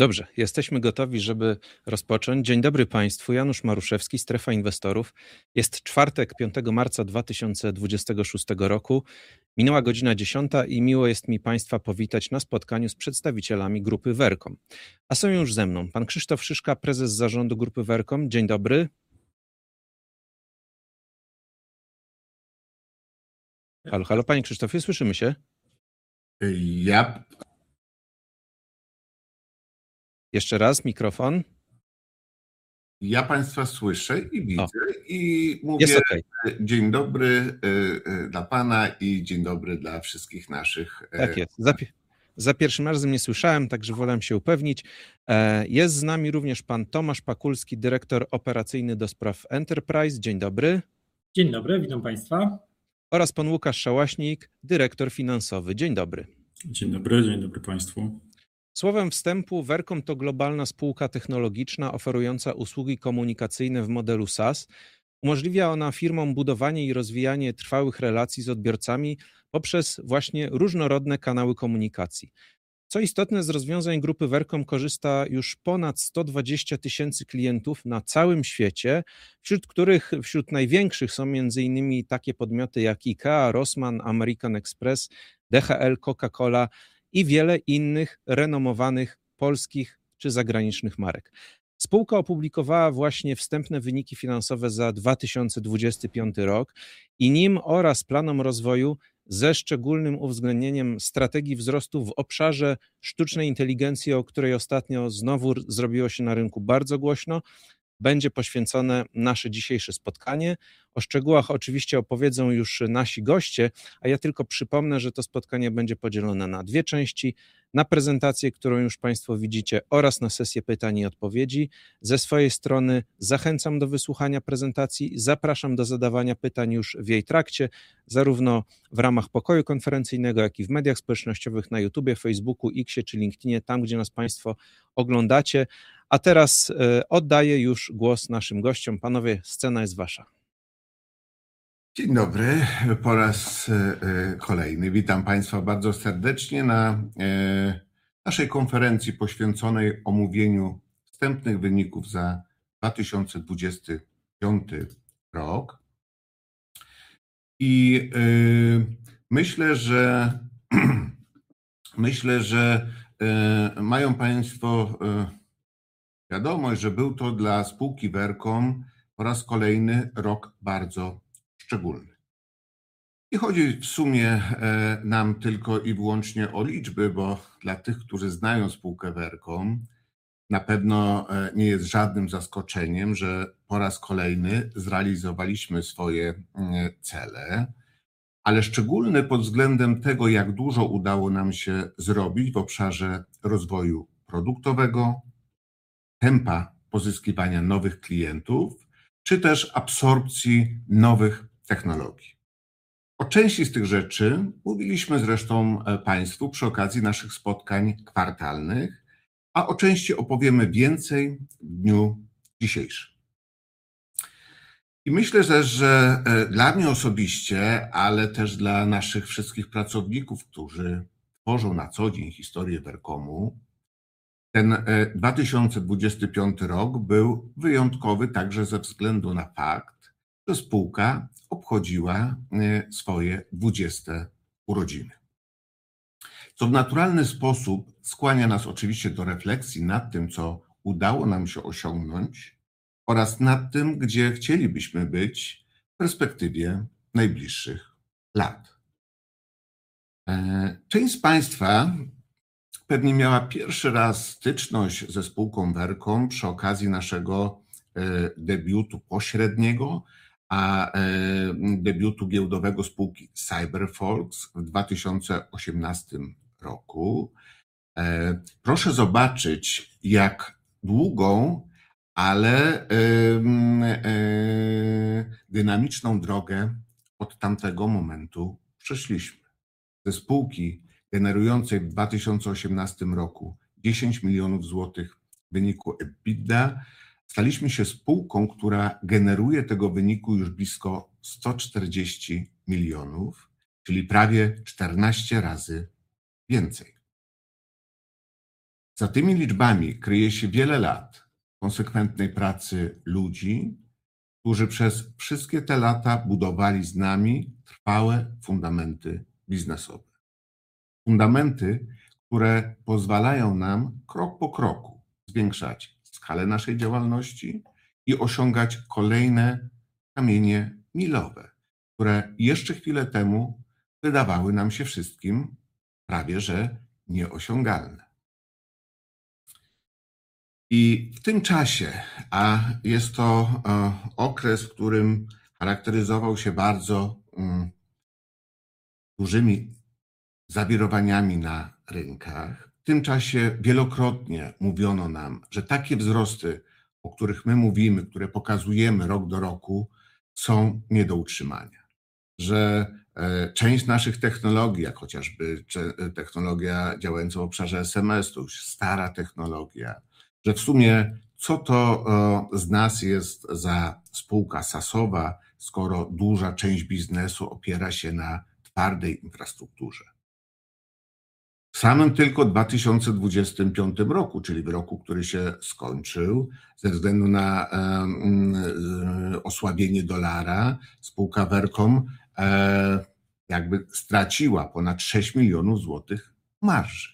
Dobrze, jesteśmy gotowi, żeby rozpocząć. Dzień dobry państwu. Janusz Maruszewski, Strefa Inwestorów. Jest czwartek, 5 marca 2026 roku. Minęła godzina 10 i miło jest mi państwa powitać na spotkaniu z przedstawicielami grupy Vercom. Są już ze mną pan Krzysztof Szyszka, prezes zarządu grupy Vercom. Dzień dobry. Halo, halo, panie Krzysztofie, słyszymy się? Ja- Jeszcze raz mikrofon. Ja państwa słyszę i widzę i mówię. Jest okej. Dzień dobry dla pana i dzień dobry dla wszystkich naszych. Tak jest. Za pierwszym razem nie słyszałem, także wolałem się upewnić. Jest z nami również pan Tomasz Pakulski, dyrektor operacyjny do spraw Enterprise. Dzień dobry. Dzień dobry, witam państwa. Pan Łukasz Szałaśnik, dyrektor finansowy. Dzień dobry. Dzień dobry. Dzień dobry państwu. Słowem wstępu Vercom to globalna spółka technologiczna oferująca usługi komunikacyjne w modelu SaaS. Umożliwia ona firmom budowanie i rozwijanie trwałych relacji z odbiorcami poprzez właśnie różnorodne kanały komunikacji. Co istotne, z rozwiązań grupy Vercom korzysta już ponad 120 tysięcy klientów na całym świecie, wśród których największych są między innymi takie podmioty jak IKEA, Rossmann, American Express, DHL, Coca-Cola i wiele innych renomowanych polskich czy zagranicznych marek. Spółka opublikowała właśnie wstępne wyniki finansowe za 2025 rok i nim oraz planom rozwoju, ze szczególnym uwzględnieniem strategii wzrostu w obszarze sztucznej inteligencji, o której ostatnio znowu zrobiło się na rynku bardzo głośno, będzie poświęcone nasze dzisiejsze spotkanie. O szczegółach oczywiście opowiedzą już nasi goście, a ja tylko przypomnę, że to spotkanie będzie podzielone na dwie części. Na prezentację, którą już państwo widzicie, oraz na sesję pytań i odpowiedzi. Ze swojej strony zachęcam do wysłuchania prezentacji. Zapraszam do zadawania pytań już w jej trakcie, zarówno w ramach pokoju konferencyjnego, jak i w mediach społecznościowych na YouTube, Facebooku, X czy LinkedInie. Tam, gdzie nas państwo oglądacie. Teraz, oddaję już głos naszym gościom. Panowie, scena jest wasza. Dzień dobry. Po raz kolejny witam państwa bardzo serdecznie na naszej konferencji poświęconej omówieniu wstępnych wyników za 2025 rok. Myślę, że mają państwo wiadomość, że był to dla spółki Vercom po raz kolejny rok bardzo szczególny. Nie chodzi nam tylko i wyłącznie o liczby, bo dla tych, którzy znają spółkę Vercom na pewno nie jest żadnym zaskoczeniem, że po raz kolejny zrealizowaliśmy swoje cele, ale szczególne pod względem tego, jak dużo udało nam się zrobić w obszarze rozwoju produktowego, tempa pozyskiwania nowych klientów czy też absorpcji nowych technologii. O części z tych rzeczy mówiliśmy zresztą państwu przy okazji naszych spotkań kwartalnych, a o części opowiemy więcej w dniu dzisiejszym. I myślę też, że dla mnie osobiście, ale też dla naszych wszystkich pracowników, którzy tworzą na co dzień historię Vercomu, ten 2025 rok był wyjątkowy także ze względu na fakt, że spółka obchodziła swoje 20 urodziny. Co w naturalny sposób skłania nas oczywiście do refleksji nad tym, co udało nam się osiągnąć oraz nad tym, gdzie chcielibyśmy być w perspektywie najbliższych lat. Część z państwa pewnie miała pierwszy raz styczność ze spółką Vercom przy okazji naszego debiutu pośredniego, a debiutu giełdowego spółki Cyber_Folks w 2018 roku. Proszę zobaczyć, jak długą, ale dynamiczną drogę od tamtego momentu przeszliśmy. Ze spółki generującej w 2018 roku 10 zlotys milionów w wyniku EBITDA staliśmy się spółką, która generuje tego wyniku już blisko 140 milionów, czyli prawie 14 razy więcej. Za tymi liczbami kryje się wiele lat konsekwentnej pracy ludzi, którzy przez wszystkie te lata budowali z nami trwałe fundamenty biznesowe. Fundamenty, które pozwalają nam krok po kroku zwiększać skalę naszej działalności i osiągać kolejne kamienie milowe, które jeszcze chwilę temu wydawały nam się wszystkim prawie że nieosiągalne. w tym czasie, a jest to okres, który charakteryzował się bardzo dużymi zawirowaniami na rynkach. W tym czasie wielokrotnie mówiono nam, że takie wzrosty, o których my mówimy, które pokazujemy rok do roku, są nie do utrzymania. Że część z naszych technologii, jak chociażby technologia działająca w obszarze SMS, to już stara technologia, że w sumie co to z nas jest za spółka SaaS-owa, skoro duża część biznesu opiera się na twardej infrastrukturze. W samym tylko 2025 roku, czyli w roku, który się skończył ze względu na osłabienie dolara, spółka Vercom jakby straciła ponad 6 zlotys milionów marży.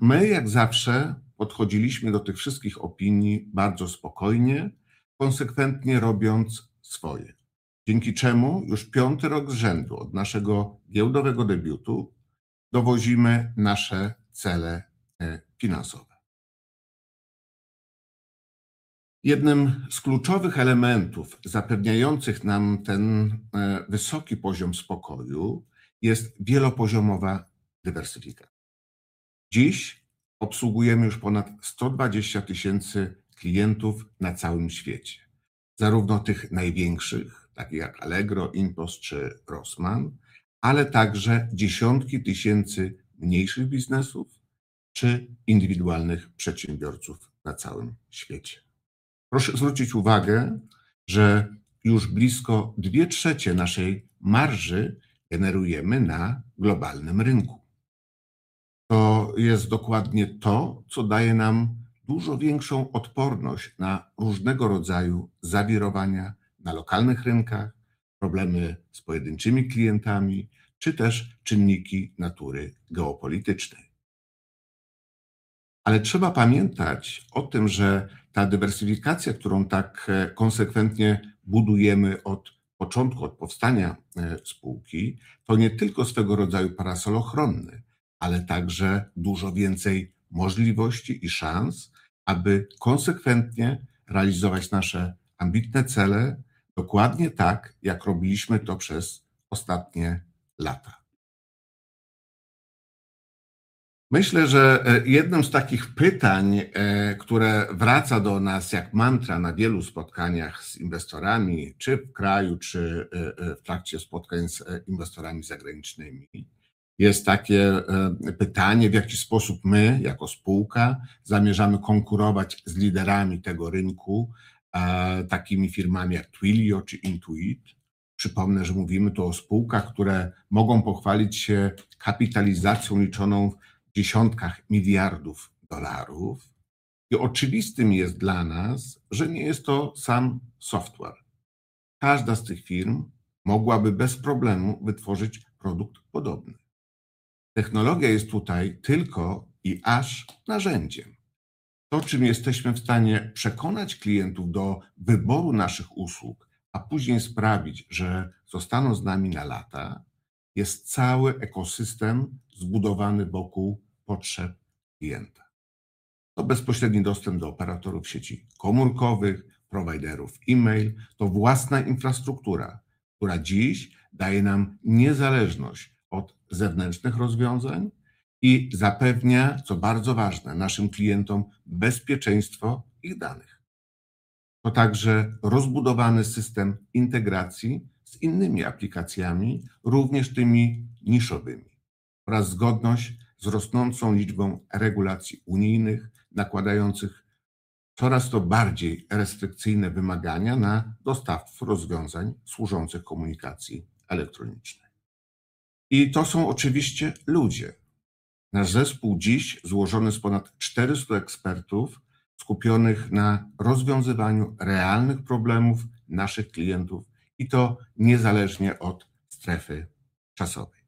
My, jak zawsze podchodziliśmy do tych wszystkich opinii bardzo spokojnie, konsekwentnie robiąc swoje, dzięki czemu już piąty rok z rzędu od naszego giełdowego debiutu dowozimy nasze cele finansowe. Jednym z kluczowych elementów zapewniających nam ten wysoki poziom spokoju jest wielopoziomowa dywersyfikacja. Dziś obsługujemy już ponad 120 tysięcy klientów na całym świecie. Zarówno tych największych, takich jak Allegro, InPost czy Rossmann, ale także dziesiątki tysięcy mniejszych biznesów czy indywidualnych przedsiębiorców na całym świecie. Proszę zwrócić uwagę, że już blisko dwie trzecie naszej marży generujemy na globalnym rynku. To jest dokładnie to, co daje nam dużo większą odporność na różnego rodzaju zawirowania na lokalnych rynkach, problemy z pojedynczymi klientami, czy też czynniki natury geopolitycznej. Trzeba pamiętać o tym, że ta dywersyfikacja, którą tak konsekwentnie budujemy od początku, od powstania spółki, to nie tylko swego rodzaju parasol ochronny, ale także dużo więcej możliwości i szans, aby konsekwentnie realizować nasze ambitne cele. Dokładnie tak, jak robiliśmy to przez ostatnie lata. Myślę, że jednym z takich pytań, które wraca do nas jak mantra na wielu spotkaniach z inwestorami czy w kraju, w trakcie spotkań z inwestorami zagranicznymi, jest takie pytanie, w jaki sposób my jako spółka zamierzamy konkurować z liderami tego rynku, takimi firmami jak Twilio czy Intuit. Przypomnę, że mówimy tu o spółkach, które mogą pochwalić się kapitalizacją liczoną w dziesiątkach miliardów dolarów. Oczywistym jest dla nas, że nie jest to sam software. Każda z tych firm mogłaby bez problemu wytworzyć produkt podobny. Technologia jest tutaj tylko i aż narzędziem. To, czym jesteśmy w stanie przekonać klientów do wyboru naszych usług, a później sprawić, że zostaną z nami na lata, jest cały ekosystem zbudowany wokół potrzeb klienta. To bezpośredni dostęp do operatorów sieci komórkowych, providerów e-mail. To własna infrastruktura, która dziś daje nam niezależność od zewnętrznych rozwiązań i zapewnia, co bardzo ważne, naszym klientom bezpieczeństwo ich danych. To także rozbudowany system integracji z innymi aplikacjami, również tymi niszowymi oraz zgodność z rosnącą liczbą regulacji unijnych, nakładających coraz to bardziej restrykcyjne wymagania na dostawców rozwiązań służących komunikacji elektronicznej. To są oczywiście ludzie. Nasz zespół, dziś złożony z ponad 400 ekspertów skupionych na rozwiązywaniu realnych problemów naszych klientów i to niezależnie od strefy czasowej.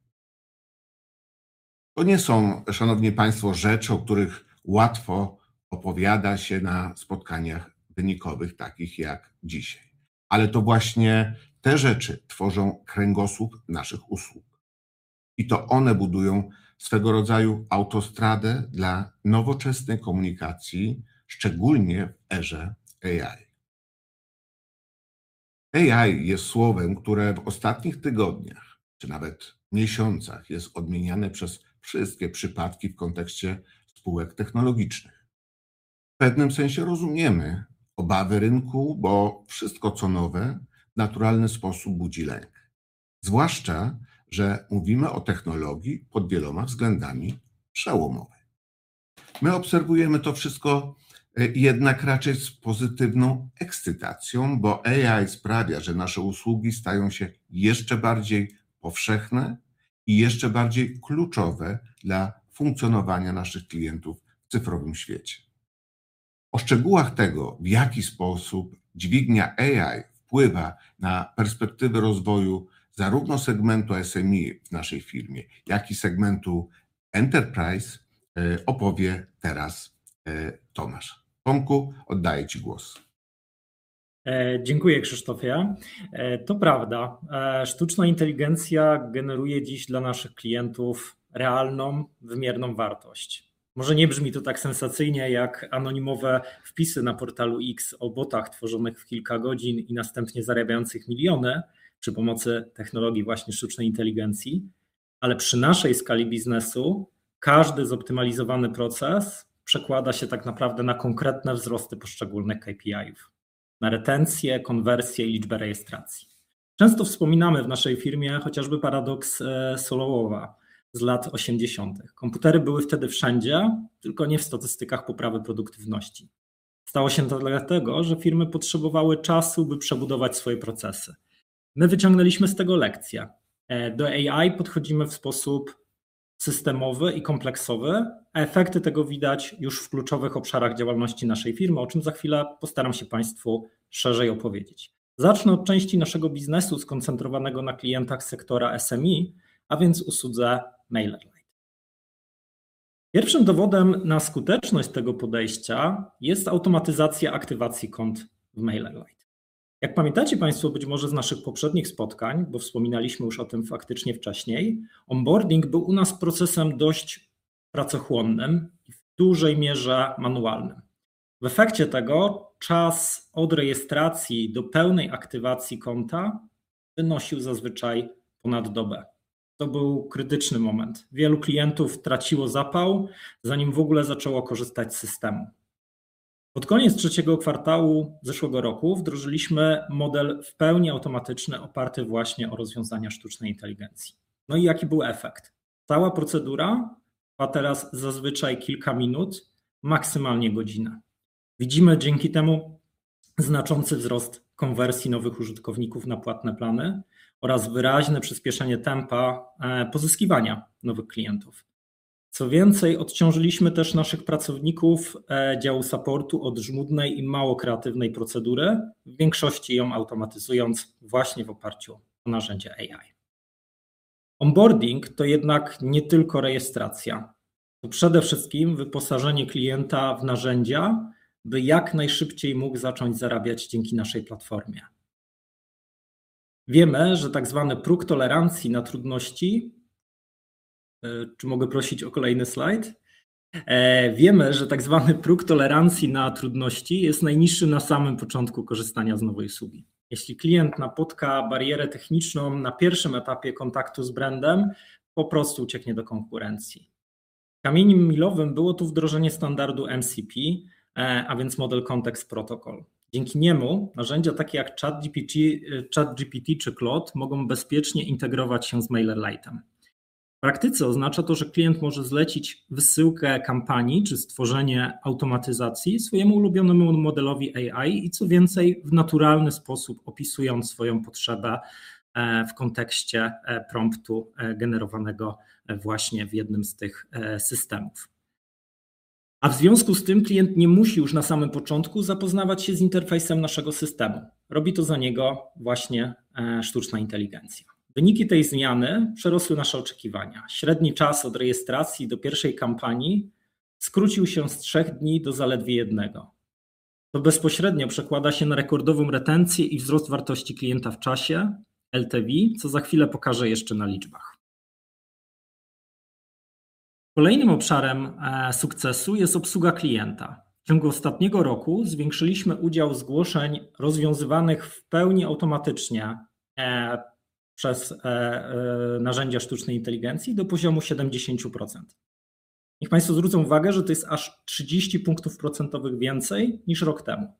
To nie są, szanowni Państwo, rzeczy, o których łatwo opowiada się na spotkaniach wynikowych, takich jak dzisiaj. To właśnie te rzeczy tworzą kręgosłup naszych usług i to one budują swego rodzaju autostradę dla nowoczesnej komunikacji, szczególnie w erze AI. AI jest słowem, które w ostatnich tygodniach czy nawet miesiącach jest odmieniane przez wszystkie przypadki w kontekście spółek technologicznych. W pewnym sensie rozumiemy obawy rynku, bo wszystko, co nowe, w naturalny sposób budzi lęk. Zwłaszcza że mówimy o technologii pod wieloma względami przełomowej. My obserwujemy to wszystko jednak raczej z pozytywną ekscytacją, bo AI sprawia, że nasze usługi stają się jeszcze bardziej powszechne i jeszcze bardziej kluczowe dla funkcjonowania naszych klientów w cyfrowym świecie. O szczegółach tego, w jaki sposób dźwignia AI wpływa na perspektywy rozwoju zarówno segmentu SME w naszej firmie, jak i segmentu Enterprise opowie teraz, Tomasz. Tomku, oddaję Ci głos. Dziękuję, Krzysztofie. To prawda. Sztuczna inteligencja generuje dziś dla naszych klientów realną, wymierną wartość. Może nie brzmi to tak sensacyjnie, jak anonimowe wpisy na portalu X o botach tworzonych w kilka godzin i następnie zarabiających miliony przy pomocy technologii właśnie sztucznej inteligencji. Przy naszej skali biznesu każdy zoptymalizowany proces przekłada się tak naprawdę na konkretne wzrosty poszczególnych KPI. Na retencję, konwersję i liczbę rejestracji. Często wspominamy w naszej firmie chociażby Solow paradox z lat osiemdziesiątych. Komputery były wtedy wszędzie, tylko nie w statystykach poprawy produktywności. Stało się to dlatego, że firmy potrzebowały czasu, by przebudować swoje procesy. My wyciągnęliśmy z tego lekcję. Do AI podchodzimy w sposób systemowy i kompleksowy, a efekty tego widać już w kluczowych obszarach działalności naszej firmy, o czym za chwilę postaram się państwu szerzej opowiedzieć. Zacznę od części naszego biznesu skoncentrowanego na klientach sektora SME, a więc usłudze MailerLite. Pierwszym dowodem na skuteczność tego podejścia jest automatyzacja aktywacji kont w MailerLite. Jak pamiętacie państwo być może z naszych poprzednich spotkań, bo wspominaliśmy już o tym faktycznie wcześniej, onboarding był u nas procesem dość pracochłonnym i w dużej mierze manualnym. W efekcie tego czas od rejestracji do pełnej aktywacji konta wynosił zazwyczaj ponad dobę. To był krytyczny moment. Wielu klientów traciło zapał, zanim w ogóle zaczęło korzystać z systemu. Pod koniec trzeciego kwartału zeszłego roku wdrożyliśmy model w pełni automatyczny, oparty właśnie o rozwiązania sztucznej inteligencji. No i jaki był efekt? Cała procedura trwa teraz zazwyczaj kilka minut, maksymalnie godzinę. Widzimy dzięki temu znaczący wzrost konwersji nowych użytkowników na płatne plany oraz wyraźne przyspieszenie tempa pozyskiwania nowych klientów. Co więcej, odciążyliśmy też naszych pracowników działu supportu od żmudnej i mało kreatywnej procedury, w większości ją automatyzując właśnie w oparciu o narzędzia AI. Onboarding to jednak nie tylko rejestracja. To przede wszystkim wyposażenie klienta w narzędzia, by jak najszybciej mógł zacząć zarabiać dzięki naszej platformie. Wiemy, że tak zwany próg tolerancji na trudności jest najniższy na samym początku korzystania z nowej usługi. Jeśli klient napotka barierę techniczną na pierwszym etapie kontaktu z brandem, po prostu ucieknie do konkurencji. Kamieniem milowym było tu wdrożenie standardu MCP, a więc Model Context Protocol. Dzięki niemu narzędzia takie jak ChatGPT czy Claude mogą bezpiecznie integrować się z MailerLite'em. W praktyce oznacza to, że klient może zlecić wysyłkę kampanii czy stworzenie automatyzacji swojemu ulubionemu modelowi AI i co więcej, w naturalny sposób opisując swoją potrzebę, w kontekście promptu generowanego właśnie w jednym z tych systemów. W związku z tym klient nie musi już na samym początku zapoznawać się z interfejsem naszego systemu. Robi to za niego właśnie, sztuczna inteligencja. Wyniki tej zmiany przerosły nasze oczekiwania. Średni czas od rejestracji do pierwszej kampanii skrócił się z 3 dni do zaledwie 1. To bezpośrednio przekłada się na rekordową retencję i wzrost wartości klienta w czasie LTV, co za chwilę pokażę jeszcze na liczbach. Kolejnym obszarem sukcesu jest obsługa klienta. W ciągu ostatniego roku zwiększyliśmy udział zgłoszeń rozwiązywanych w pełni automatycznie, przez narzędzia sztucznej inteligencji do poziomu 70%. Niech państwo zwrócą uwagę, że to jest aż 30 punktów procentowych więcej niż rok temu.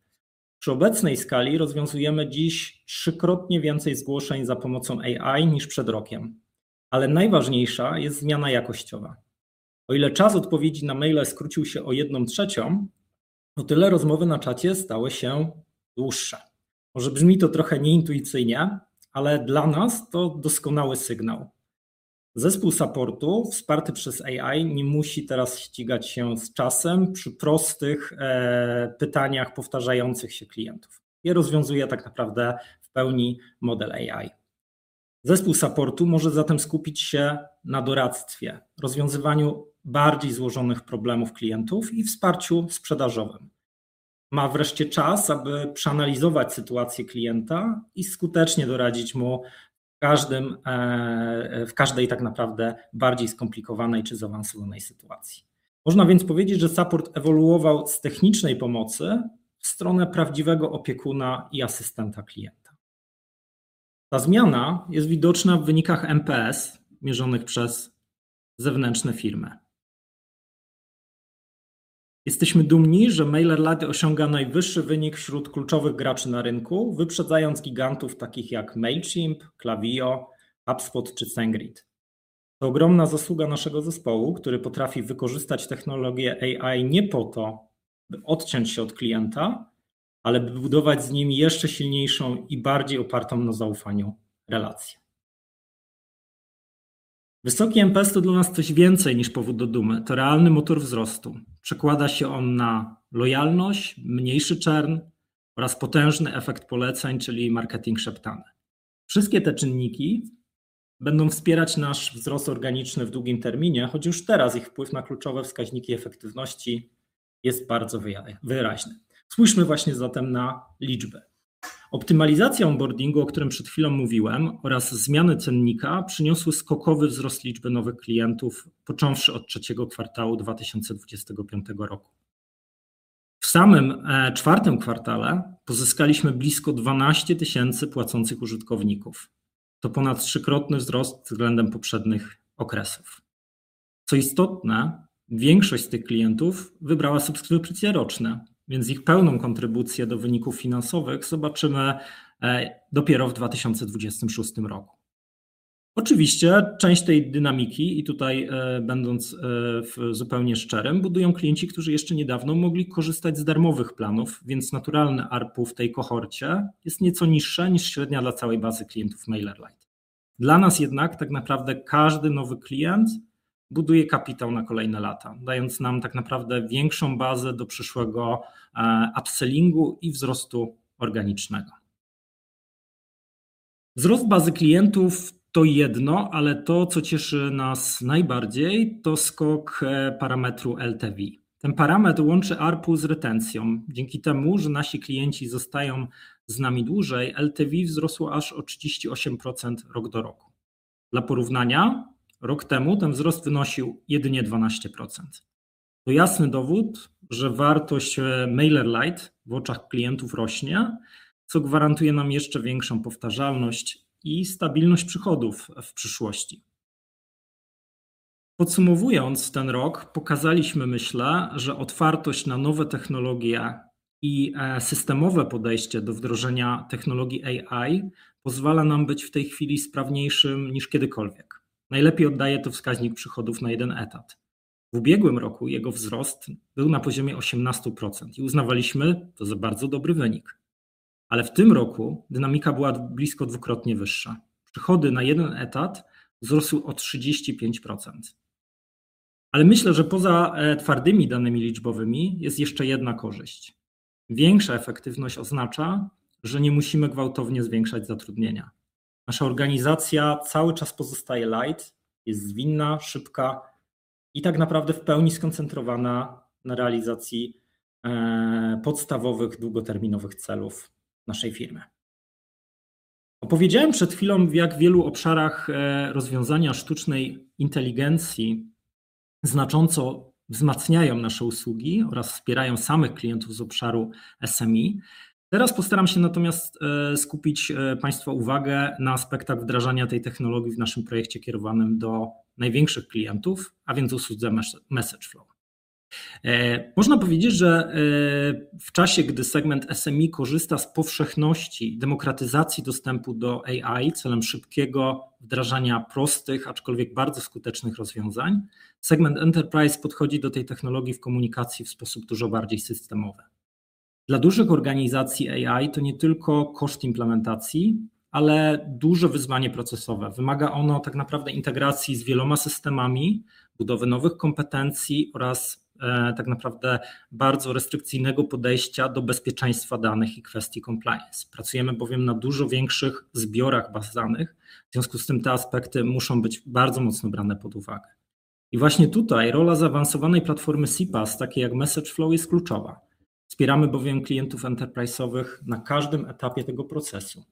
Przy obecnej skali rozwiązujemy dziś trzykrotnie więcej zgłoszeń za pomocą AI niż przed rokiem. Ale najważniejsza jest zmiana jakościowa. O ile czas odpowiedzi na maile skrócił się o jedną trzecią, o tyle rozmowy na czacie stały się dłuższe. Może brzmi to trochę nieintuicyjnie, ale dla nas to doskonały sygnał. Zespół supportu wsparty przez AI nie musi teraz ścigać się z czasem przy prostych pytaniach powtarzających się klientów. To rozwiązuje tak naprawdę w pełni model AI. Zespół supportu może zatem skupić się na doradztwie, rozwiązywaniu bardziej złożonych problemów klientów i wsparciu sprzedażowym. Ma wreszcie czas, aby przeanalizować sytuację klienta i skutecznie doradzić mu w każdym w każdej tak naprawdę bardziej skomplikowanej czy zaawansowanej sytuacji. Można więc powiedzieć, że support ewoluował z technicznej pomocy w stronę prawdziwego opiekuna i asystenta klienta. Ta zmiana jest widoczna w wynikach NPS mierzonych przez zewnętrzne firmy. Jesteśmy dumni, że MailerLite osiąga najwyższy wynik wśród kluczowych graczy na rynku, wyprzedzając gigantów takich jak Mailchimp, Klaviyo, HubSpot czy SendGrid. To ogromna zasługa naszego zespołu, który potrafi wykorzystać technologię AI nie po to, by odciąć się od klienta, ale by budować z nim jeszcze silniejszą i bardziej opartą na zaufaniu relację. Wysoki NPS to dla nas coś więcej niż powód do dumy. To realny motor wzrostu. Przekłada się on na lojalność, mniejszy churn oraz potężny efekt poleceń, czyli marketing szeptany. Wszystkie te czynniki będą wspierać nasz wzrost organiczny w długim terminie, choć już teraz ich wpływ na kluczowe wskaźniki efektywności jest bardzo wyraźny. Spójrzmy właśnie zatem na liczby. Optymalizacja onboardingu, o którym przed chwilą mówiłem, oraz zmiany cennika przyniosły skokowy wzrost liczby nowych klientów, począwszy od trzeciego kwartału 2025 roku. W samym czwartym kwartale pozyskaliśmy blisko 12,000 płacących użytkowników. To ponad trzykrotny wzrost względem poprzednich okresów. Co istotne, większość z tych klientów wybrała subskrypcje roczne, więc ich pełną kontrybucję do wyników finansowych zobaczymy dopiero w 2026 roku. Oczywiście część tej dynamiki, i tutaj, będąc w zupełnie szczerym, budują klienci, którzy jeszcze niedawno mogli korzystać z darmowych planów, więc naturalne ARPU w tej kohorcie jest nieco niższe niż średnia dla całej bazy klientów MailerLite. Dla nas jednak tak naprawdę każdy nowy klient buduje kapitał na kolejne lata, dając nam tak naprawdę większą bazę do przyszłego upsellingu i wzrostu organicznego. Wzrost bazy klientów to jedno, ale to, co cieszy nas najbardziej, to skok parametru LTV. Ten parametr łączy ARPU z retencją. Dzięki temu, że nasi klienci zostają z nami dłużej, LTV wzrosło aż o 38% rok do roku. Dla porównania, rok temu ten wzrost wynosił jedynie 12%. To jasny dowód, że wartość MailerLite w oczach klientów rośnie, co gwarantuje nam jeszcze większą powtarzalność i stabilność przychodów w przyszłości. Podsumowując ten rok, pokazaliśmy, myślę, że otwartość na nowe technologie i systemowe podejście do wdrożenia technologii AI pozwala nam być w tej chwili sprawniejszym niż kiedykolwiek. Najlepiej oddaje to wskaźnik przychodów na jeden etat. W ubiegłym roku jego wzrost był na poziomie 18% i uznawaliśmy to za bardzo dobry wynik, ale w tym roku dynamika była blisko dwukrotnie wyższa. Przychody na jeden etat wzrosły o 35%. Myślę, że poza twardymi danymi liczbowymi jest jeszcze jedna korzyść. Większa efektywność oznacza, że nie musimy gwałtownie zwiększać zatrudnienia. Nasza organizacja cały czas pozostaje light. Jest zwinna, szybka i tak naprawdę w pełni skoncentrowana na realizacji podstawowych, długoterminowych celów naszej firmy. Opowiedziałem przed chwilą, w jak wielu obszarach rozwiązania sztucznej inteligencji znacząco wzmacniają nasze usługi oraz wspierają samych klientów z obszaru SME. Teraz postaram się natomiast skupić państwa uwagę na aspektach wdrażania tej technologii w naszym projekcie kierowanym do największych klientów, a więc usłudze MessageFlow. Można powiedzieć, że w czasie, gdy segment SME korzysta z powszechności demokratyzacji dostępu do AI celem szybkiego wdrażania prostych, aczkolwiek bardzo skutecznych rozwiązań, segment enterprise podchodzi do tej technologii w komunikacji w sposób dużo bardziej systemowy. Dla dużych organizacji AI to nie tylko koszt implementacji, ale duże wyzwanie procesowe. Wymaga ono tak naprawdę integracji z wieloma systemami, budowy nowych kompetencji oraz tak naprawdę bardzo restrykcyjnego podejścia do bezpieczeństwa danych i kwestii compliance. Pracujemy bowiem na dużo większych zbiorach baz danych. W związku z tym te aspekty muszą być bardzo mocno brane pod uwagę. I właśnie tutaj rola zaawansowanej platformy CPaaS, takiej jak MessageFlow, jest kluczowa. Wspieramy bowiem klientów enterprise'owych na każdym etapie tego procesu,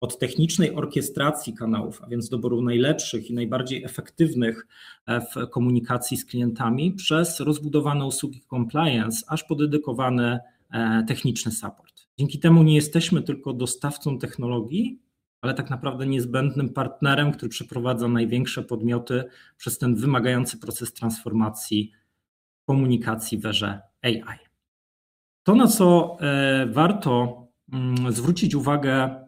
od technicznej orkiestracji kanałów, a więc doboru najlepszych i najbardziej efektywnych w komunikacji z klientami, przez rozbudowane usługi compliance, aż po dedykowany techniczny support. Dzięki temu nie jesteśmy tylko dostawcą technologii, ale tak naprawdę niezbędnym partnerem, który przeprowadza największe podmioty przez ten wymagający proces transformacji komunikacji w erze AI. To, na co warto zwrócić uwagę,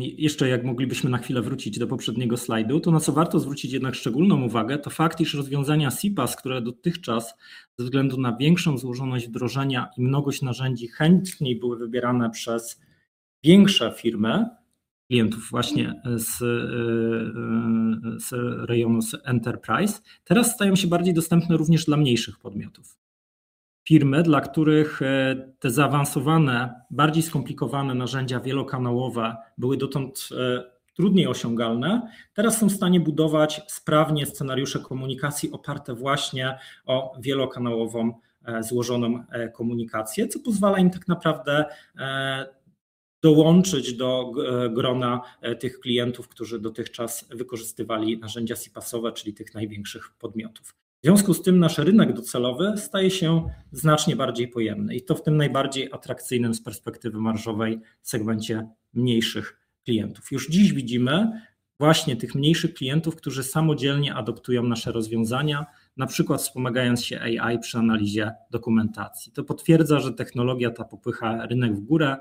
jeszcze jak moglibyśmy na chwilę wrócić do poprzedniego slajdu, to, na co warto zwrócić jednak szczególną uwagę, to fakt, iż rozwiązania CPaaS, które dotychczas ze względu na większą złożoność wdrożenia i mnogość narzędzi chętniej były wybierane przez większe firmy, klientów właśnie z rejonu enterprise, teraz stają się bardziej dostępne również dla mniejszych podmiotów. Firmy, dla których te zaawansowane, bardziej skomplikowane narzędzia wielokanałowe były dotąd trudniej osiągalne, teraz są w stanie budować sprawnie scenariusze komunikacji oparte właśnie o wielokanałową złożoną komunikację, co pozwala im tak naprawdę dołączyć do grona tych klientów, którzy dotychczas wykorzystywali narzędzia CPaaS-owe, czyli tych największych podmiotów. W związku z tym nasz rynek docelowy staje się znacznie bardziej pojemny i to w tym najbardziej atrakcyjnym z perspektywy marżowej segmencie mniejszych klientów. Już dziś widzimy właśnie tych mniejszych klientów, którzy samodzielnie adoptują nasze rozwiązania, na przykład wspomagając się AI przy analizie dokumentacji. To potwierdza, że technologia ta popycha rynek w górę,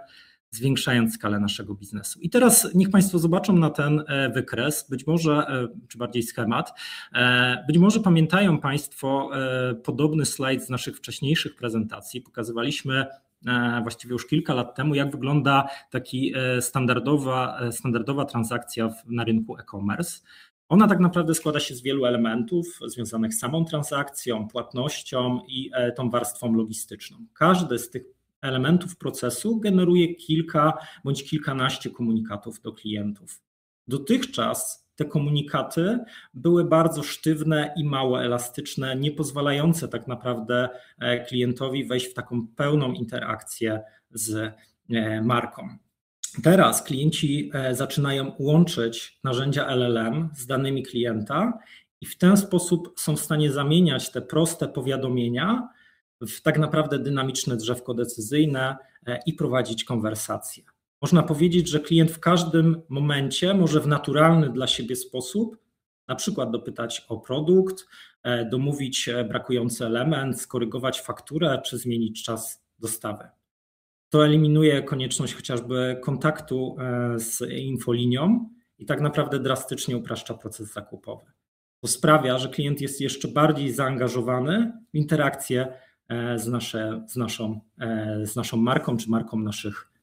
zwiększając skalę naszego biznesu. Teraz niech państwo zobaczą na ten wykres. Być może, czy bardziej schemat, być może pamiętają państwo podobny slajd z naszych wcześniejszych prezentacji. Pokazywaliśmy właściwie już kilka lat temu, jak wygląda taki standardowa transakcja na rynku e-commerce. Ona tak naprawdę składa się z wielu elementów związanych z samą transakcją, płatnością i tą warstwą logistyczną. Każdy z tych elementów procesu generuje kilka bądź kilkanaście komunikatów do klientów. Dotychczas te komunikaty były bardzo sztywne i mało elastyczne, niepozwalające tak naprawdę klientowi wejść w taką pełną interakcję z marką. Teraz klienci zaczynają łączyć narzędzia LLM z danymi klienta i w ten sposób są w stanie zamieniać te proste powiadomienia w tak naprawdę dynamiczne drzewko decyzyjne i prowadzić konwersację. Można powiedzieć, że klient w każdym momencie może w naturalny dla siebie sposób na przykład dopytać o produkt, domówić brakujący element, skorygować fakturę czy zmienić czas dostawy. To eliminuje konieczność chociażby kontaktu z infolinią i tak naprawdę drastycznie upraszcza proces zakupowy. To sprawia, że klient jest jeszcze bardziej zaangażowany w interakcje z naszą marką czy marką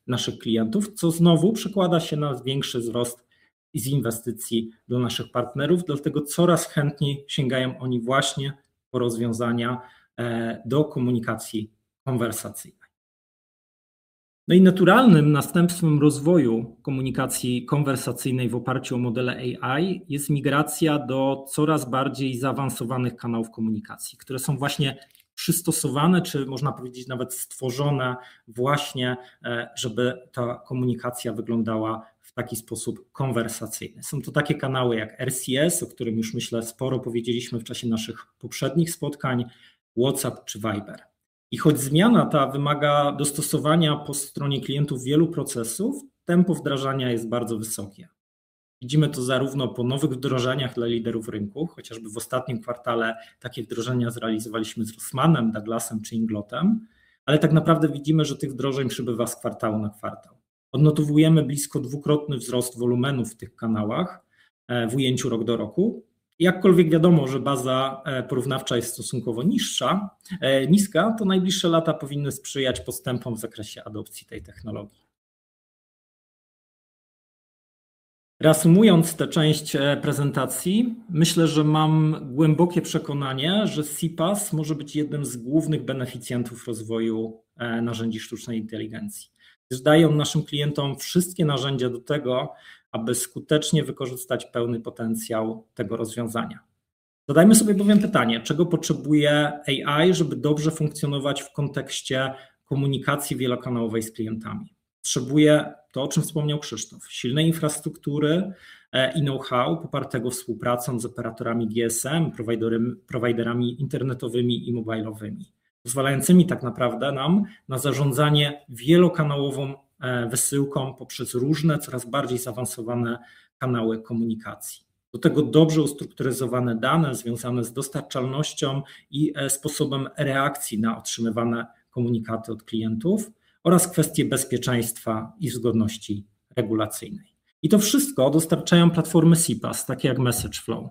naszych klientów, co znowu przekłada się na większy wzrost i z inwestycji do naszych partnerów. Dlatego coraz chętniej sięgają oni właśnie po rozwiązania do komunikacji konwersacyjnej. No i naturalnym następstwem rozwoju komunikacji konwersacyjnej w oparciu o modele AI jest migracja do coraz bardziej zaawansowanych kanałów komunikacji, które są właśnie przystosowane, czy można powiedzieć nawet stworzone właśnie, żeby ta komunikacja wyglądała w taki sposób konwersacyjny. Są to takie kanały jak RCS, o którym już sporo mówiliśmy w czasie naszych poprzednich spotkań, WhatsApp czy Viber. Choć zmiana ta wymaga dostosowania po stronie klientów wielu procesów, tempo wdrażania jest bardzo wysokie. Widzimy to zarówno po nowych wdrożeniach dla liderów rynku. Chociażby w ostatnim kwartale takie wdrożenia zrealizowaliśmy z Rossmannem, Douglasem czy Inglotem. Ale tak naprawdę widzimy, że tych wdrożeń przybywa z kwartału na kwartał. Odnotowujemy blisko dwukrotny wzrost wolumenu w tych kanałach, w ujęciu rok do roku. Jakkolwiek wiadomo, że baza, porównawcza jest stosunkowo niższa, niska, to najbliższe lata powinny sprzyjać postępom w zakresie adopcji tej technologii. Reasumując tę część, prezentacji, myślę, że mam głębokie przekonanie, że CPaaS może być jednym z głównych beneficjentów rozwoju, narzędzi sztucznej inteligencji, gdyż dają naszym klientom wszystkie narzędzia do tego, aby skutecznie wykorzystać pełny potencjał tego rozwiązania. Zadajmy sobie bowiem pytanie, czego potrzebuje AI, żeby dobrze funkcjonować w kontekście komunikacji wielokanałowej z klientami? Potrzebuje to, o czym wspomniał Krzysztof. Silnej infrastruktury, i know-how popartego współpracą z operatorami GSM, providerami internetowymi i mobilowymi, pozwalającymi tak naprawdę nam na zarządzanie wielokanałową, wysyłką poprzez różne, coraz bardziej zaawansowane kanały komunikacji. Do tego dobrze ustrukturyzowane dane związane z dostarczalnością i sposobem reakcji na otrzymywane komunikaty od klientów oraz kwestie bezpieczeństwa i zgodności regulacyjnej. To wszystko dostarczają platformy CPaaS, takie jak MessageFlow.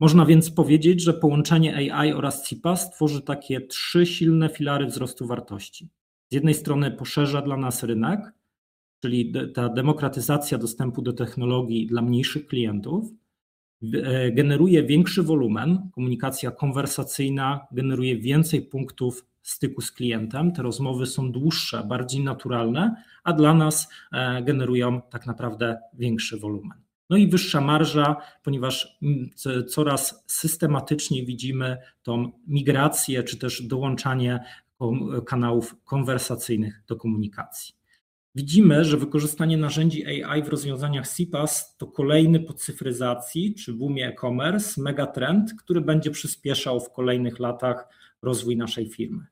Można więc powiedzieć, że połączenie AI oraz CPaaS tworzy takie trzy silne filary wzrostu wartości. Z jednej strony poszerza dla nas rynek, czyli de facto demokratyzacja dostępu do technologii dla mniejszych klientów. Wygeneruje większy wolumen. Komunikacja konwersacyjna generuje więcej punktów styku z klientem. Te rozmowy są dłuższe, bardziej naturalne, a dla nas generują tak naprawdę większy wolumen. No i wyższa marża, ponieważ coraz systematyczniej widzimy tę migrację czy też dołączanie kanałów konwersacyjnych do komunikacji. Widzimy, że wykorzystanie narzędzi AI w rozwiązaniach CPaaS to kolejny po cyfryzacji czy boomie e-commerce megatrend, który będzie przyspieszał w kolejnych latach rozwój naszej firmy.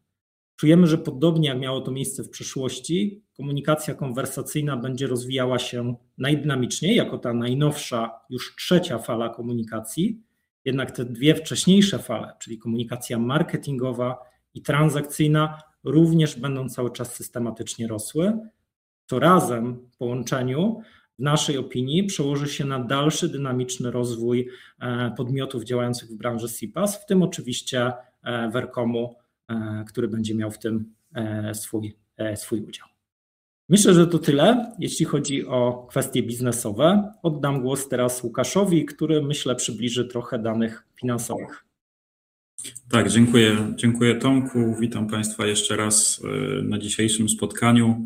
Czujemy, że podobnie jak miało to miejsce w przeszłości, komunikacja konwersacyjna będzie rozwijała się najdynamiczniej jako ta najnowsza, już trzecia fala komunikacji. Jednak te dwie wcześniejsze fale, czyli komunikacja marketingowa i transakcyjna, również będą cały czas systematycznie rosły. To razem w połączeniu, w naszej opinii przełoży się na dalszy dynamiczny rozwój podmiotów działających w branży CPaaS, w tym oczywiście Vercomu, który będzie miał w tym swój udział. Myślę, że to tyle, jeśli chodzi o kwestie biznesowe. Oddam głos teraz Łukaszowi, który myślę przybliży trochę danych finansowych. Tak. Dziękuję. Dziękuję Tomku. Witam państwa jeszcze raz na dzisiejszym spotkaniu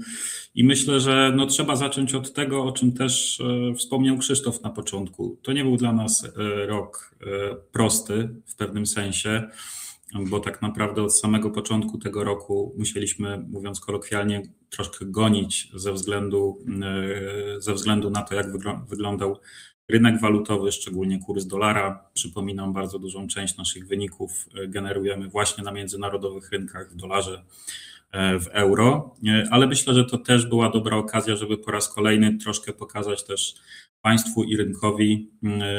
i myślę, że no trzeba zacząć od tego, o czym też wspomniał Krzysztof na początku. To nie był dla nas rok prosty w pewnym sensie, bo tak naprawdę od samego początku tego roku musieliśmy, mówiąc kolokwialnie, troszkę gonić ze względu na to, jak wyglądał rynek walutowy, szczególnie kurs dolara. Przypominam, bardzo dużą część naszych wyników generujemy właśnie na międzynarodowych rynkach, w dolarze, w euro, ale myślę, że to też była dobra okazja, żeby po raz kolejny troszkę pokazać też państwu i rynkowi,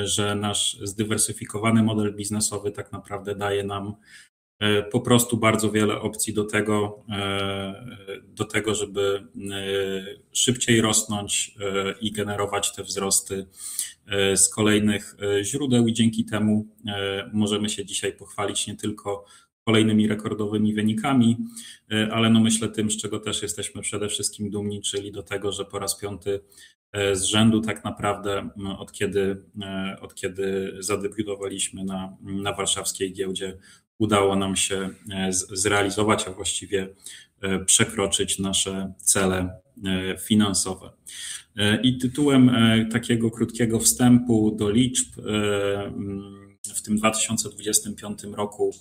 że nasz zdywersyfikowany model biznesowy tak naprawdę daje nam po prostu bardzo wiele opcji do tego, żeby szybciej rosnąć i generować te wzrosty z kolejnych źródeł. Dzięki temu możemy się dzisiaj pochwalić nie tylko kolejnymi rekordowymi wynikami, ale myślę tym, z czego też jesteśmy przede wszystkim dumni, czyli do tego, że po raz piąty z rzędu tak naprawdę od kiedy zadebiutowaliśmy na warszawskiej giełdzie, udało nam się zrealizować, a właściwie przekroczyć nasze cele finansowe. Tytułem takiego krótkiego wstępu do liczb w 2025 roku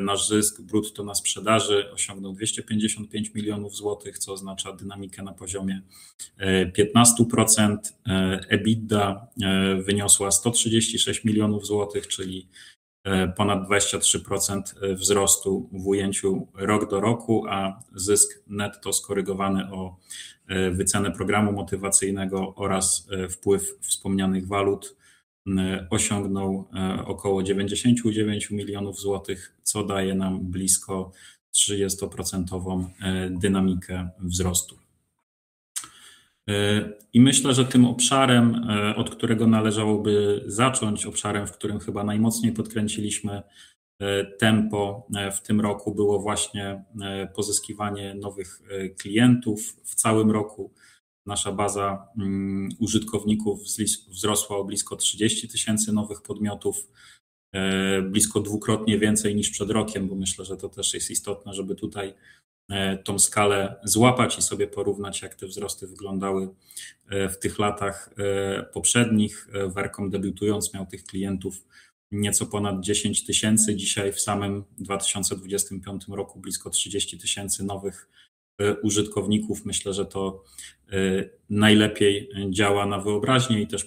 nasz zysk brutto na sprzedaży osiągnął PLN 255 milionów złotych, co oznacza dynamikę na poziomie 15%. EBITDA wyniosła 136 milionów złotych, czyli ponad 23% wzrostu w ujęciu rok do roku, a zysk netto skorygowany o wycenę programu motywacyjnego oraz wpływ wspomnianych walut osiągnął około 99 milionów złotych, co daje nam blisko 30-procentową dynamikę wzrostu. Myślę, że tym obszarem, od którego należałoby zacząć, obszarem, w którym chyba najmocniej podkręciliśmy tempo w tym roku było właśnie pozyskiwanie nowych klientów. W całym roku nasza baza użytkowników zwiększyła się o blisko 30,000 nowych podmiotów. Blisko dwukrotnie więcej niż przed rokiem, bo myślę, że to też jest istotne, żeby tutaj tę skalę złapać i sobie porównać, jak te wzrosty wyglądały w tych latach poprzednich. Vercom debiutując miał tych klientów nieco ponad 10,000. Dzisiaj w samym 2025 roku blisko 30,000 nowych użytkowników. Myślę, że to najlepiej działa na wyobraźnię i też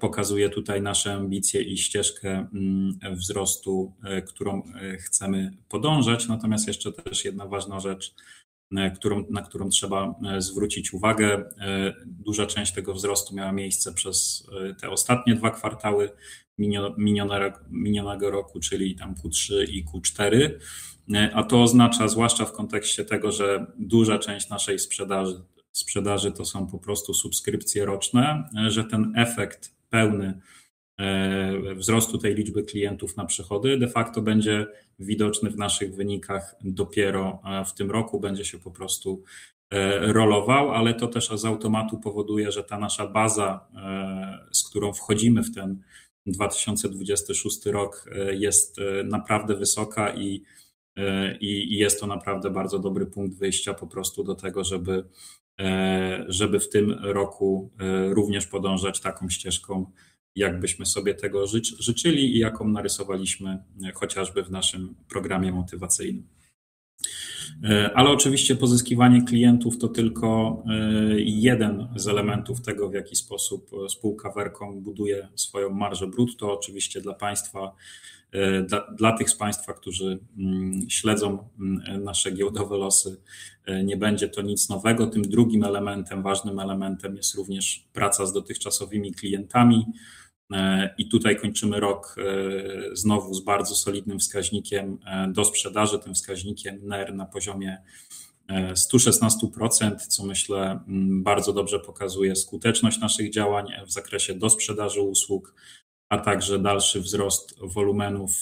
pokazuje tutaj nasze ambicje i ścieżkę wzrostu, którą chcemy podążać. Natomiast jeszcze też jedna ważna rzecz, na którą trzeba zwrócić uwagę. Duża część tego wzrostu miała miejsce przez te ostatnie 2 kwartały minionego roku, czyli tam Q3 i Q4. To oznacza, zwłaszcza w kontekście tego, że duża część naszej sprzedaży to są po prostu subskrypcje roczne, że ten efekt pełny wzrostu tej liczby klientów na przychody de facto będzie widoczny w naszych wynikach dopiero w tym roku. Będzie się po prostu rolował. To też z automatu powoduje, że ta nasza baza, z którą wchodzimy w ten 2026 rok, jest naprawdę wysoka i jest to naprawdę bardzo dobry punkt wyjścia po prostu do tego, żeby w tym roku również podążać taką ścieżką, jak byśmy sobie tego życzyli i jaką narysowaliśmy, jak chociażby w naszym programie motywacyjnym. Ale oczywiście pozyskiwanie klientów to tylko jeden z elementów tego, w jaki sposób spółka Vercom buduje swoją marżę brutto. Oczywiście dla państwa, dla tych z państwa, którzy śledzą nasze giełdowe losy, nie będzie to nic nowego. Tym drugim elementem, ważnym elementem jest również praca z dotychczasowymi klientami. I tutaj kończymy rok, znowu z bardzo solidnym wskaźnikiem dosprzedaży. Tym wskaźnikiem NER na poziomie 116%, co myślę, bardzo dobrze pokazuje skuteczność naszych działań w zakresie dosprzedaży usług, a także dalszy wzrost wolumenów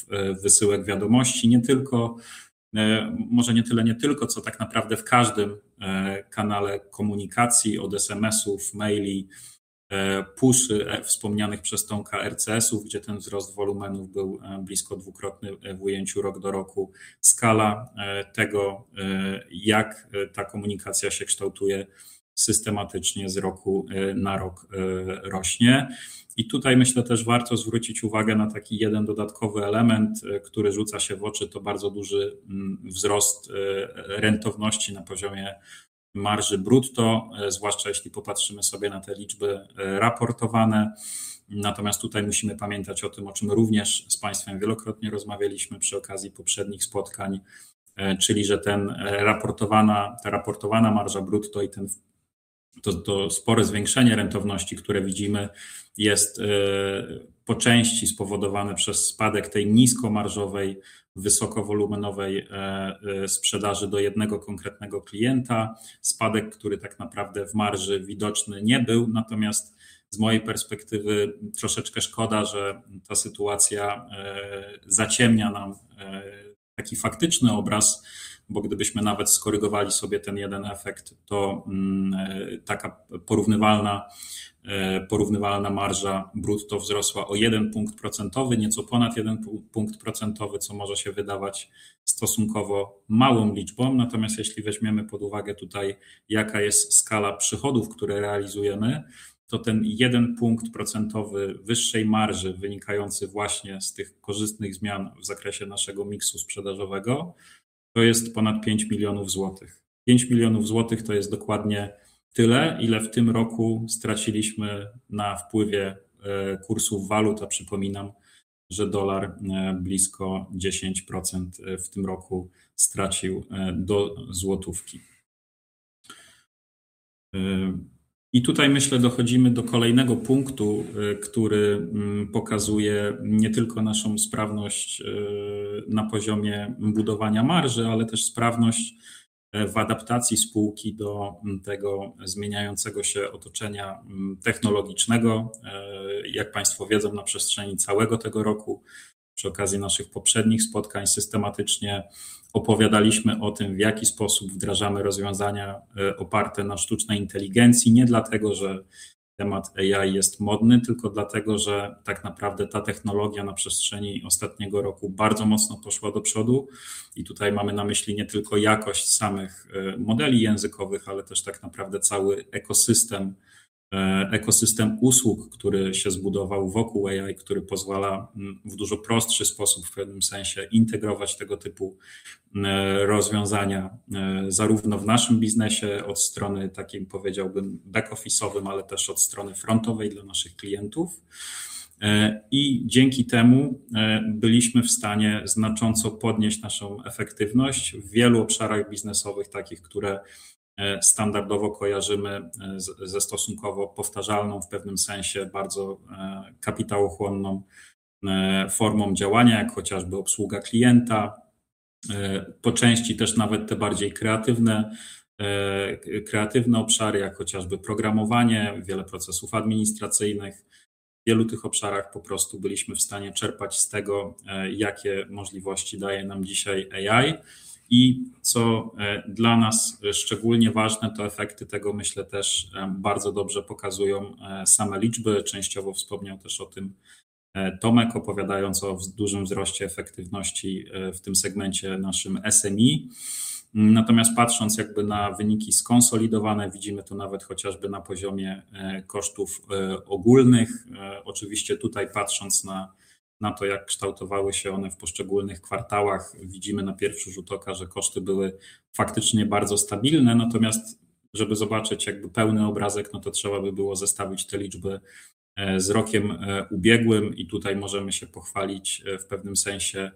wysyłek wiadomości. Nie tylko, może nie tyle, nie tylko co tak naprawdę w każdym kanale komunikacji od SMS-ów, maili, pushy, wspomnianych przez Tomka RCS-ów, gdzie ten wzrost wolumenów był blisko dwukrotny w ujęciu rok do roku. Skala tego jak ta komunikacja się kształtuje systematycznie z roku na rok rośnie. Tutaj myślę też warto zwrócić uwagę na taki jeden dodatkowy element, który rzuca się w oczy. To bardzo duży wzrost rentowności na poziomie marży brutto. Zwłaszcza jeśli popatrzymy sobie na te liczby raportowane. Tutaj musimy pamiętać o tym, o czym również z państwem wielokrotnie rozmawialiśmy przy okazji poprzednich spotkań, czyli że ta raportowana marża brutto i to spore zwiększenie rentowności, które widzimy, jest po części spowodowane przez spadek tej niskomarżowej, wysokowolumenowej sprzedaży do jednego konkretnego klienta. Spadek, który tak naprawdę w marży widoczny nie był. Natomiast z mojej perspektywy troszeczkę szkoda, że ta sytuacja zaciemnia nam taki faktyczny obraz, bo gdybyśmy nawet skorygowali sobie ten jeden efekt, to taka porównywalna marża brutto wzrosła o 1 punkt procentowy, nieco ponad 1 punkt procentowy, co może się wydawać stosunkowo małą liczbą. Natomiast jeśli weźmiemy pod uwagę tutaj, jaka jest skala przychodów, które realizujemy, to ten 1 punkt procentowy wyższej marży, wynikający właśnie z tych korzystnych zmian w zakresie naszego miksu sprzedażowego, to jest ponad 5 milionów złotych. 5 milionów złotych to jest dokładnie tyle, ile w tym roku straciliśmy na wpływie kursu walut. Przypominam, że dolar blisko 10%, w tym roku stracił do złotówki. Tutaj myślę, dochodzimy do kolejnego punktu, który pokazuje nie tylko naszą sprawność na poziomie budowania marży, ale też sprawność w adaptacji spółki do tego zmieniającego się otoczenia technologicznego. Jak państwo wiedzą, na przestrzeni całego tego roku, przy okazji naszych poprzednich spotkań systematycznie opowiadaliśmy o tym, w jaki sposób wdrażamy rozwiązania oparte na sztucznej inteligencji. Nie dlatego, że temat AI jest modny, tylko dlatego, że tak naprawdę ta technologia na przestrzeni ostatniego roku bardzo mocno poszła do przodu. Tutaj mamy na myśli nie tylko jakość samych modeli językowych, ale też tak naprawdę cały ekosystem usług, który się zbudował wokół AI, który pozwala w dużo prostszy sposób, w pewnym sensie integrować tego typu rozwiązania, zarówno w naszym biznesie od strony takim, powiedziałbym, back office'owym, ale też od strony frontowej dla naszych klientów. Dzięki temu byliśmy w stanie znacząco podnieść naszą efektywność w wielu obszarach biznesowych. Takich, które standardowo kojarzymy z stosunkowo powtarzalną w pewnym sensie bardzo kapitałochłonną formą działania, jak chociażby obsługa klienta. Po części też nawet te bardziej kreatywne obszary, jak chociażby programowanie, wiele procesów administracyjnych. W wielu tych obszarach po prostu byliśmy w stanie czerpać z tego, jakie możliwości daje nam dzisiaj AI i co dla nas szczególnie ważne, to efekty tego myślę też bardzo dobrze pokazują same liczby. Częściowo wspomniał też o tym Tomek, opowiadając o dużym wzroście efektywności w tym segmencie naszym SME. Natomiast patrząc jakby na wyniki skonsolidowane, widzimy to nawet chociażby na poziomie kosztów ogólnych. Oczywiście tutaj patrząc na to, jak kształtowały się one w poszczególnych kwartałach, widzimy na pierwszy rzut oka, że koszty były faktycznie bardzo stabilne. Żeby zobaczyć jakby pełny obrazek, to trzeba by było zestawić te liczby z rokiem ubiegłym. Tutaj możemy się pochwalić w pewnym sensie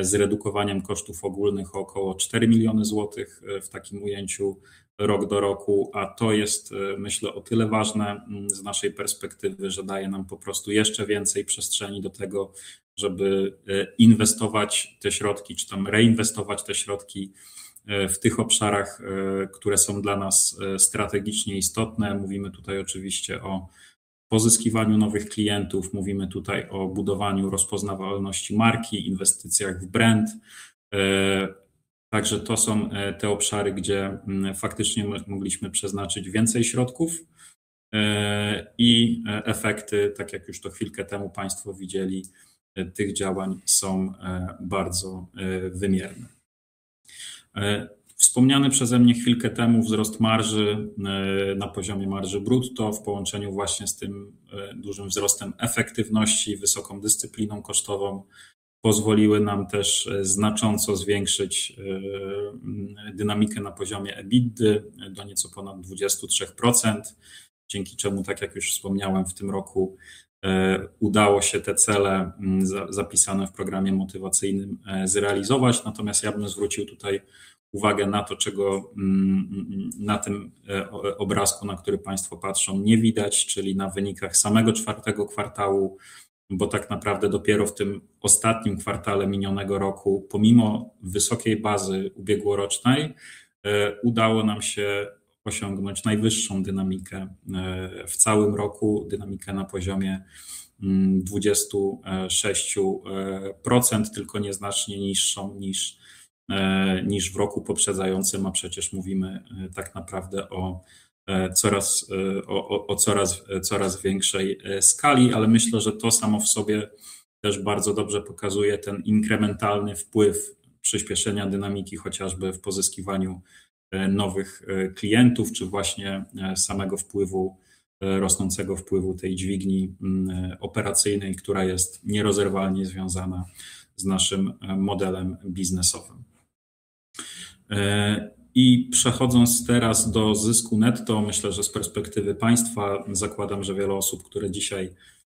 zredukowaniem kosztów ogólnych o około 4 million zlotys w takim ujęciu rok do roku. To jest myślę o tyle ważne z naszej perspektywy, że daje nam po prostu jeszcze więcej przestrzeni do tego, żeby inwestować te środki czy tam reinwestować te środki w tych obszarach, które są dla nas strategicznie istotne. Mówimy tutaj oczywiście o pozyskiwaniu nowych klientów. Mówimy tutaj o budowaniu rozpoznawalności marki, inwestycjach w brand. Także to są te obszary, gdzie faktycznie mogliśmy przeznaczyć więcej środków. Efekty, tak jak już to chwilkę temu państwo widzieli, tych działań są bardzo wymierne. Wspomniany przeze mnie chwilkę temu wzrost marży na poziomie marży brutto w połączeniu właśnie z tym dużym wzrostem efektywności i wysoką dyscypliną kosztową pozwoliły nam też znacząco zwiększyć dynamikę na poziomie EBITDA do nieco ponad 23%. Dzięki czemu, tak jak już wspomniałem, w tym roku udało się te cele zapisane w programie motywacyjnym zrealizować. Natomiast ja bym zwrócił tutaj uwagę na to, czego na tym obrazku, na który państwo patrzą, nie widać, czyli na wynikach samego czwartego kwartału. Tak naprawdę dopiero w tym ostatnim kwartale minionego roku, pomimo wysokiej bazy ubiegłorocznej, udało nam się osiągnąć najwyższą dynamikę w całym roku. Dynamikę na poziomie 26% tylko nieznacznie niższą niż w roku poprzedzającym. Przecież mówimy tak naprawdę o coraz większej skali, ale myślę, że to samo w sobie też bardzo dobrze pokazuje ten inkrementalny wpływ przyspieszenia dynamiki chociażby w pozyskiwaniu nowych klientów czy właśnie samego wpływu rosnącego wpływu tej dźwigni operacyjnej, która jest nierozerwalnie związana z naszym modelem biznesowym. Przechodząc teraz do zysku netto, myślę, że z perspektywy państwa zakładam, że wiele osób, które dzisiaj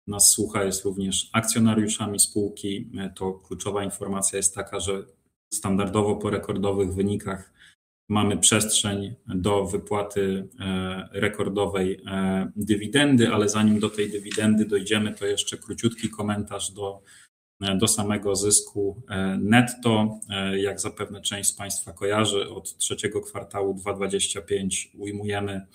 nas słucha, jest również akcjonariuszami spółki. To kluczowa informacja jest taka, że standardowo po rekordowych wynikach mamy przestrzeń do wypłaty rekordowej dywidendy. Zanim do tej dywidendy dojdziemy, to jeszcze króciutki komentarz do samego zysku netto. Jak zapewne część z państwa kojarzy, od trzeciego kwartału 2025 ujmujemy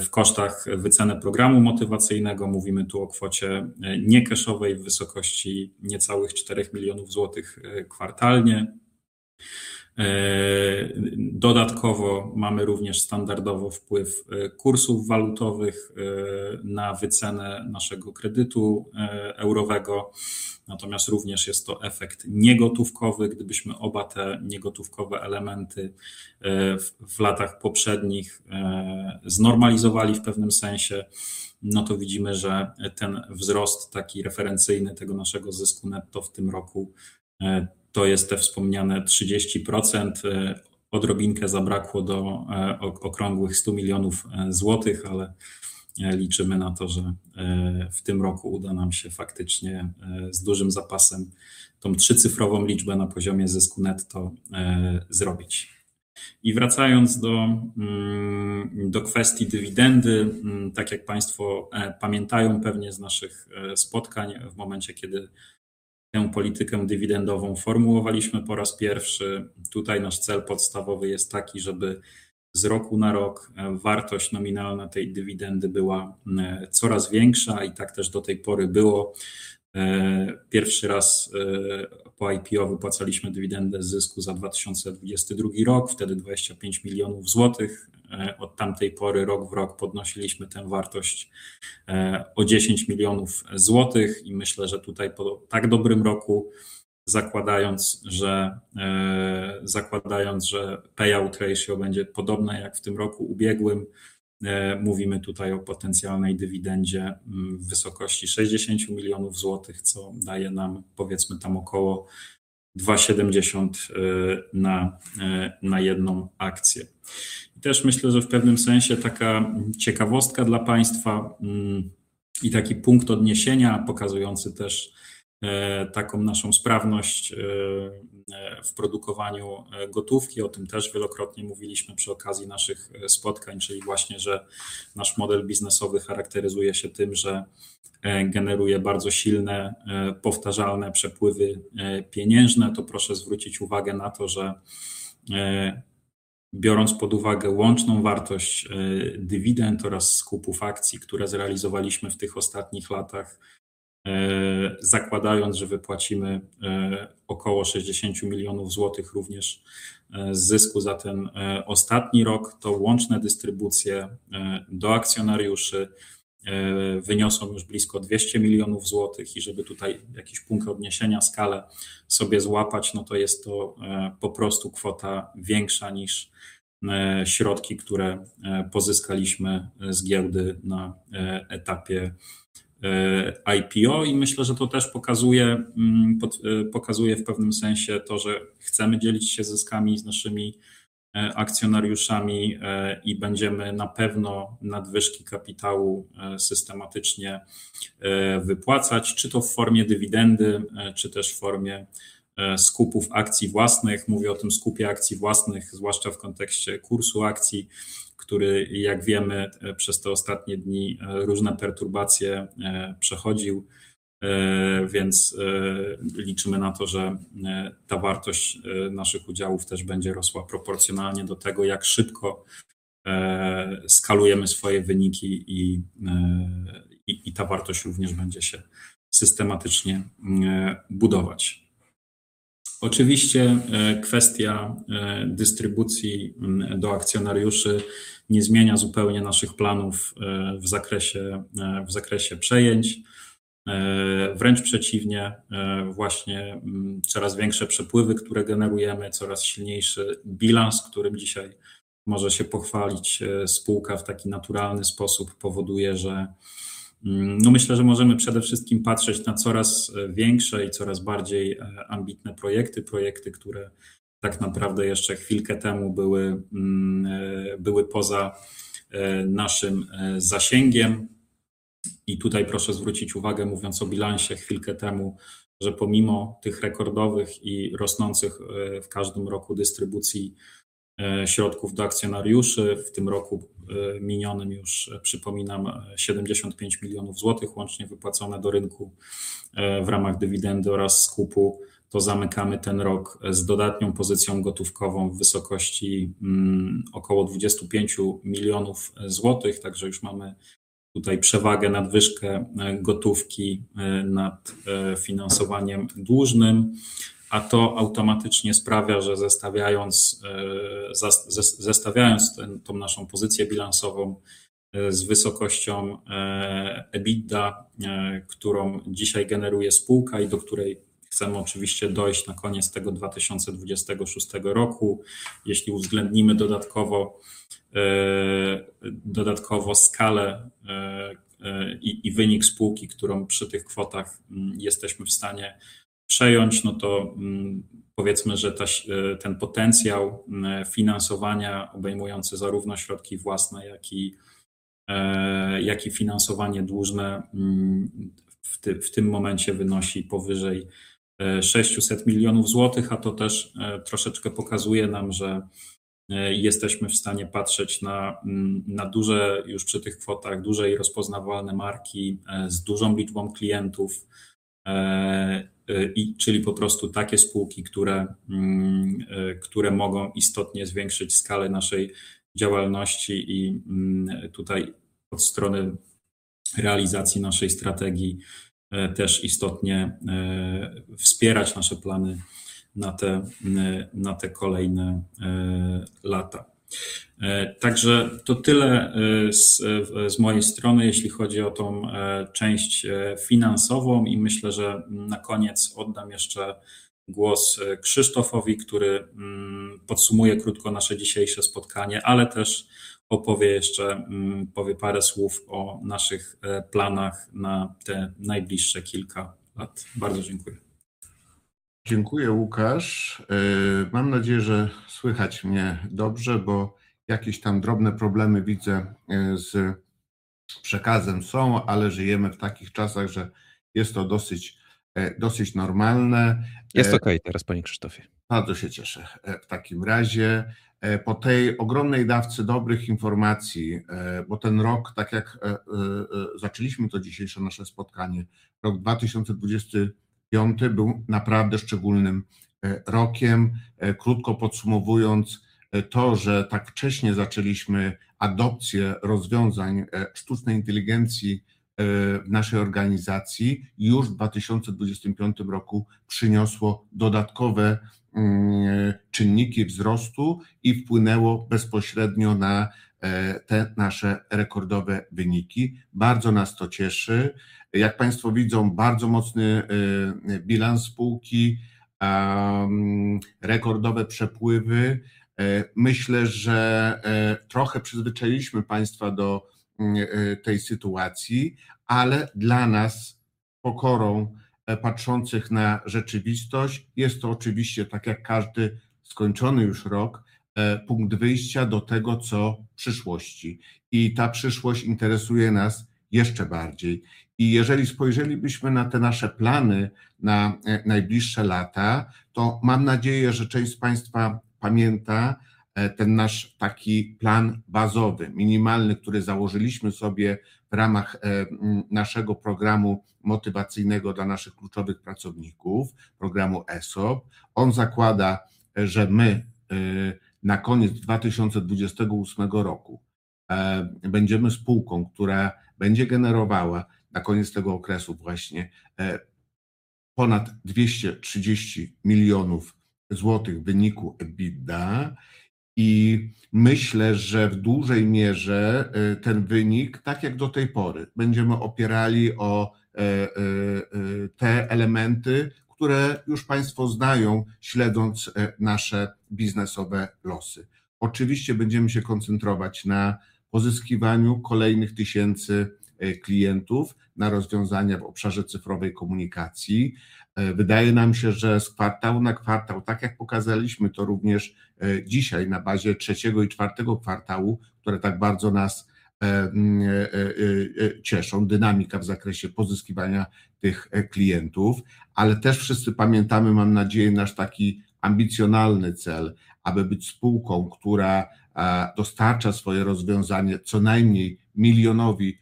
w kosztach wycenę programu motywacyjnego. Mówimy tu o kwocie niekeszowej w wysokości niecałych PLN 4 milionów kwartalnie. Dodatkowo mamy również standardowo wpływ kursów walutowych na wycenę naszego kredytu eurowego. Natomiast również jest to efekt niegotówkowy. Gdybyśmy oba te niegotówkowe elementy w latach poprzednich znormalizowali w pewnym sensie, no to widzimy, że ten wzrost, taki referencyjny tego naszego zysku netto w tym roku, to jest te wspomniane 30%. Odrobinkę zabrakło do okrągłych 100 zlotys milionów, ale liczymy na to, że w tym roku uda nam się faktycznie z dużym zapasem tą trzycyfrową liczbę na poziomie zysku netto zrobić. Wracając do kwestii dywidendy. Tak jak państwo pamiętają pewnie z naszych spotkań w momencie, kiedy tę politykę dywidendową formułowaliśmy po raz pierwszy. Tutaj nasz cel podstawowy jest taki, żeby z roku na rok wartość nominalna tej dywidendy była coraz większa. Tak też do tej pory było. Pierwszy raz po IPO wypłacaliśmy dywidendę z zysku za 2022 rok, wtedy 25 milionów złotych. Od tamtej pory rok w rok podnosiliśmy tę wartość o 10 milionów złotych. Myślę, że tutaj po tak dobrym roku, zakładając, że payout ratio będzie podobne jak w tym roku ubiegłym, mówimy tutaj o potencjalnej dywidendzie w wysokości 60 milionów złotych, co daje nam powiedzmy tam około 2.70 na jedną akcję. Też myślę, że w pewnym sensie taka ciekawostka dla państwa i taki punkt odniesienia pokazujący też taką naszą sprawność w produkowaniu gotówki. O tym też wielokrotnie mówiliśmy przy okazji naszych spotkań, czyli właśnie, że nasz model biznesowy charakteryzuje się tym, że generuje bardzo silne powtarzalne przepływy pieniężne. Proszę zwrócić uwagę na to, że biorąc pod uwagę łączną wartość dywidend oraz skupów akcji, które zrealizowaliśmy w tych ostatnich latach, zakładając, że wypłacimy około 60 milionów PLN również z zysku za ten ostatni rok, to łączne dystrybucje do akcjonariuszy wyniosą już blisko 200 milionów PLN. Żeby tutaj jakiś punkt odniesienia, skalę sobie złapać, no to jest to po prostu kwota większa niż środki, które pozyskaliśmy z giełdy na etapie IPO. I myślę, że to też pokazuje w pewnym sensie to, że chcemy dzielić się zyskami z naszymi akcjonariuszami i będziemy na pewno nadwyżki kapitału systematycznie wypłacać, czy to w formie dywidendy, czy też w formie skupów akcji własnych. Mówię o tym skupie akcji własnych, zwłaszcza w kontekście kursu akcji, który jak wiemy, przez te ostatnie dni różne perturbacje przechodził. Więc liczymy na to, że ta wartość naszych udziałów też będzie rosła proporcjonalnie do tego, jak szybko skalujemy swoje wyniki i ta wartość również będzie się systematycznie budować. Oczywiście, kwestia dystrybucji do akcjonariuszy nie zmienia zupełnie naszych planów w zakresie przejęć. Wręcz przeciwnie, właśnie, coraz większe przepływy, które generujemy, coraz silniejszy bilans, którym dzisiaj może się pochwalić, spółka w taki naturalny sposób powoduje, że, no myślę, że możemy przede wszystkim patrzeć na coraz większe i coraz bardziej ambitne projekty. Projekty, które tak naprawdę jeszcze chwilkę temu były poza naszym zasięgiem. Tutaj proszę zwrócić uwagę, mówiąc o bilansie chwilkę temu, że pomimo tych rekordowych i rosnących w każdym roku dystrybucji środków do akcjonariuszy, w tym roku minionym już przypominam, 75 milionów złotych łącznie wypłacone do rynku w ramach dywidendy oraz skupu, to zamykamy ten rok z dodatnią pozycją gotówkową w wysokości około 25 milionów złotych. Tak że już mamy tutaj przewagę, nadwyżkę gotówki nad finansowaniem dłużnym. To automatycznie sprawia, że zestawiając tę naszą pozycję bilansową z wysokością EBITDA, którą dzisiaj generuje spółka i do której chcemy oczywiście dojść na koniec 2026 roku, jeśli uwzględnimy dodatkowo skalę i wynik spółki, którą przy tych kwotach jesteśmy w stanie przejąć, no to, powiedzmy, że też ten potencjał finansowania obejmujący zarówno środki własne, jak i finansowanie dłużne w tym momencie wynosi powyżej 600 milionów złotych. To też troszeczkę pokazuje nam, że jesteśmy w stanie patrzeć na duże już przy tych kwotach duże i rozpoznawalne marki z dużą liczbą klientów. Czyli po prostu takie spółki, które mogą istotnie zwiększyć skalę naszej działalności i tutaj od strony realizacji naszej strategii też istotnie wspierać nasze plany na te kolejne lata. To tyle z mojej strony, jeśli chodzi o tę część finansową i myślę, że na koniec oddam jeszcze głos Krzysztofowi, który podsumuje krótko nasze dzisiejsze spotkanie, ale też opowie jeszcze powie parę słów o naszych planach na te najbliższe kilka lat. Bardzo dziękuję. Dziękuję Łukasz. Mam nadzieję, że słychać mnie dobrze, bo jakieś tam drobne problemy widzę z przekazem są, ale żyjemy w takich czasach, że jest to dosyć normalne. Jest okej teraz, panie Krzysztofie. Bardzo się cieszę. W takim razie, po tej ogromnej dawce dobrych informacji, bo ten rok, tak jak zaczęliśmy to dzisiejsze nasze spotkanie, rok 2025 był naprawdę szczególnym rokiem. Krótko podsumowując, to, że tak wcześnie zaczęliśmy adopcję rozwiązań sztucznej inteligencji w naszej organizacji już w 2025 roku przyniosło dodatkowe czynniki wzrostu i wpłynęło bezpośrednio na te nasze rekordowe wyniki. Bardzo nas to cieszy. Jak państwo widzą, bardzo mocny bilans spółki. Rekordowe przepływy. Myślę, że trochę przyzwyczailiśmy Państwa do tej sytuacji, ale dla nas, z pokorą patrzących na rzeczywistość, jest to oczywiście, tak jak każdy skończony już rok, punkt wyjścia do tego, co w przyszłości. Ta przyszłość interesuje nas jeszcze bardziej. Jeżeli spojrzelibyśmy na te nasze plany na najbliższe lata, to mam nadzieję, że część z Państwa pamięta ten nasz taki plan bazowy, minimalny, który założyliśmy sobie w ramach naszego programu motywacyjnego dla naszych kluczowych pracowników, programu ESOP. On zakłada, że my na koniec 2028 roku będziemy spółką, która będzie generowała na koniec tego okresu właśnie ponad 230 milionów PLN wyniku EBITDA. Myślę, że w dużej mierze ten wynik, tak jak do tej pory, będziemy opierali o te elementy, które już Państwo znają śledząc nasze biznesowe losy. Oczywiście będziemy się koncentrować na pozyskiwaniu kolejnych tysięcy klientów na rozwiązania w obszarze cyfrowej komunikacji. Wydaje nam się, że z kwartału na kwartał, tak jak pokazaliśmy to również dzisiaj na bazie trzeciego i czwartego kwartału, które tak bardzo nas cieszą, dynamika w zakresie pozyskiwania tych klientów. Ale też wszyscy pamiętamy, mam nadzieję, nasz taki ambicjonalny cel, aby być spółką, która dostarcza swoje rozwiązanie co najmniej milionowi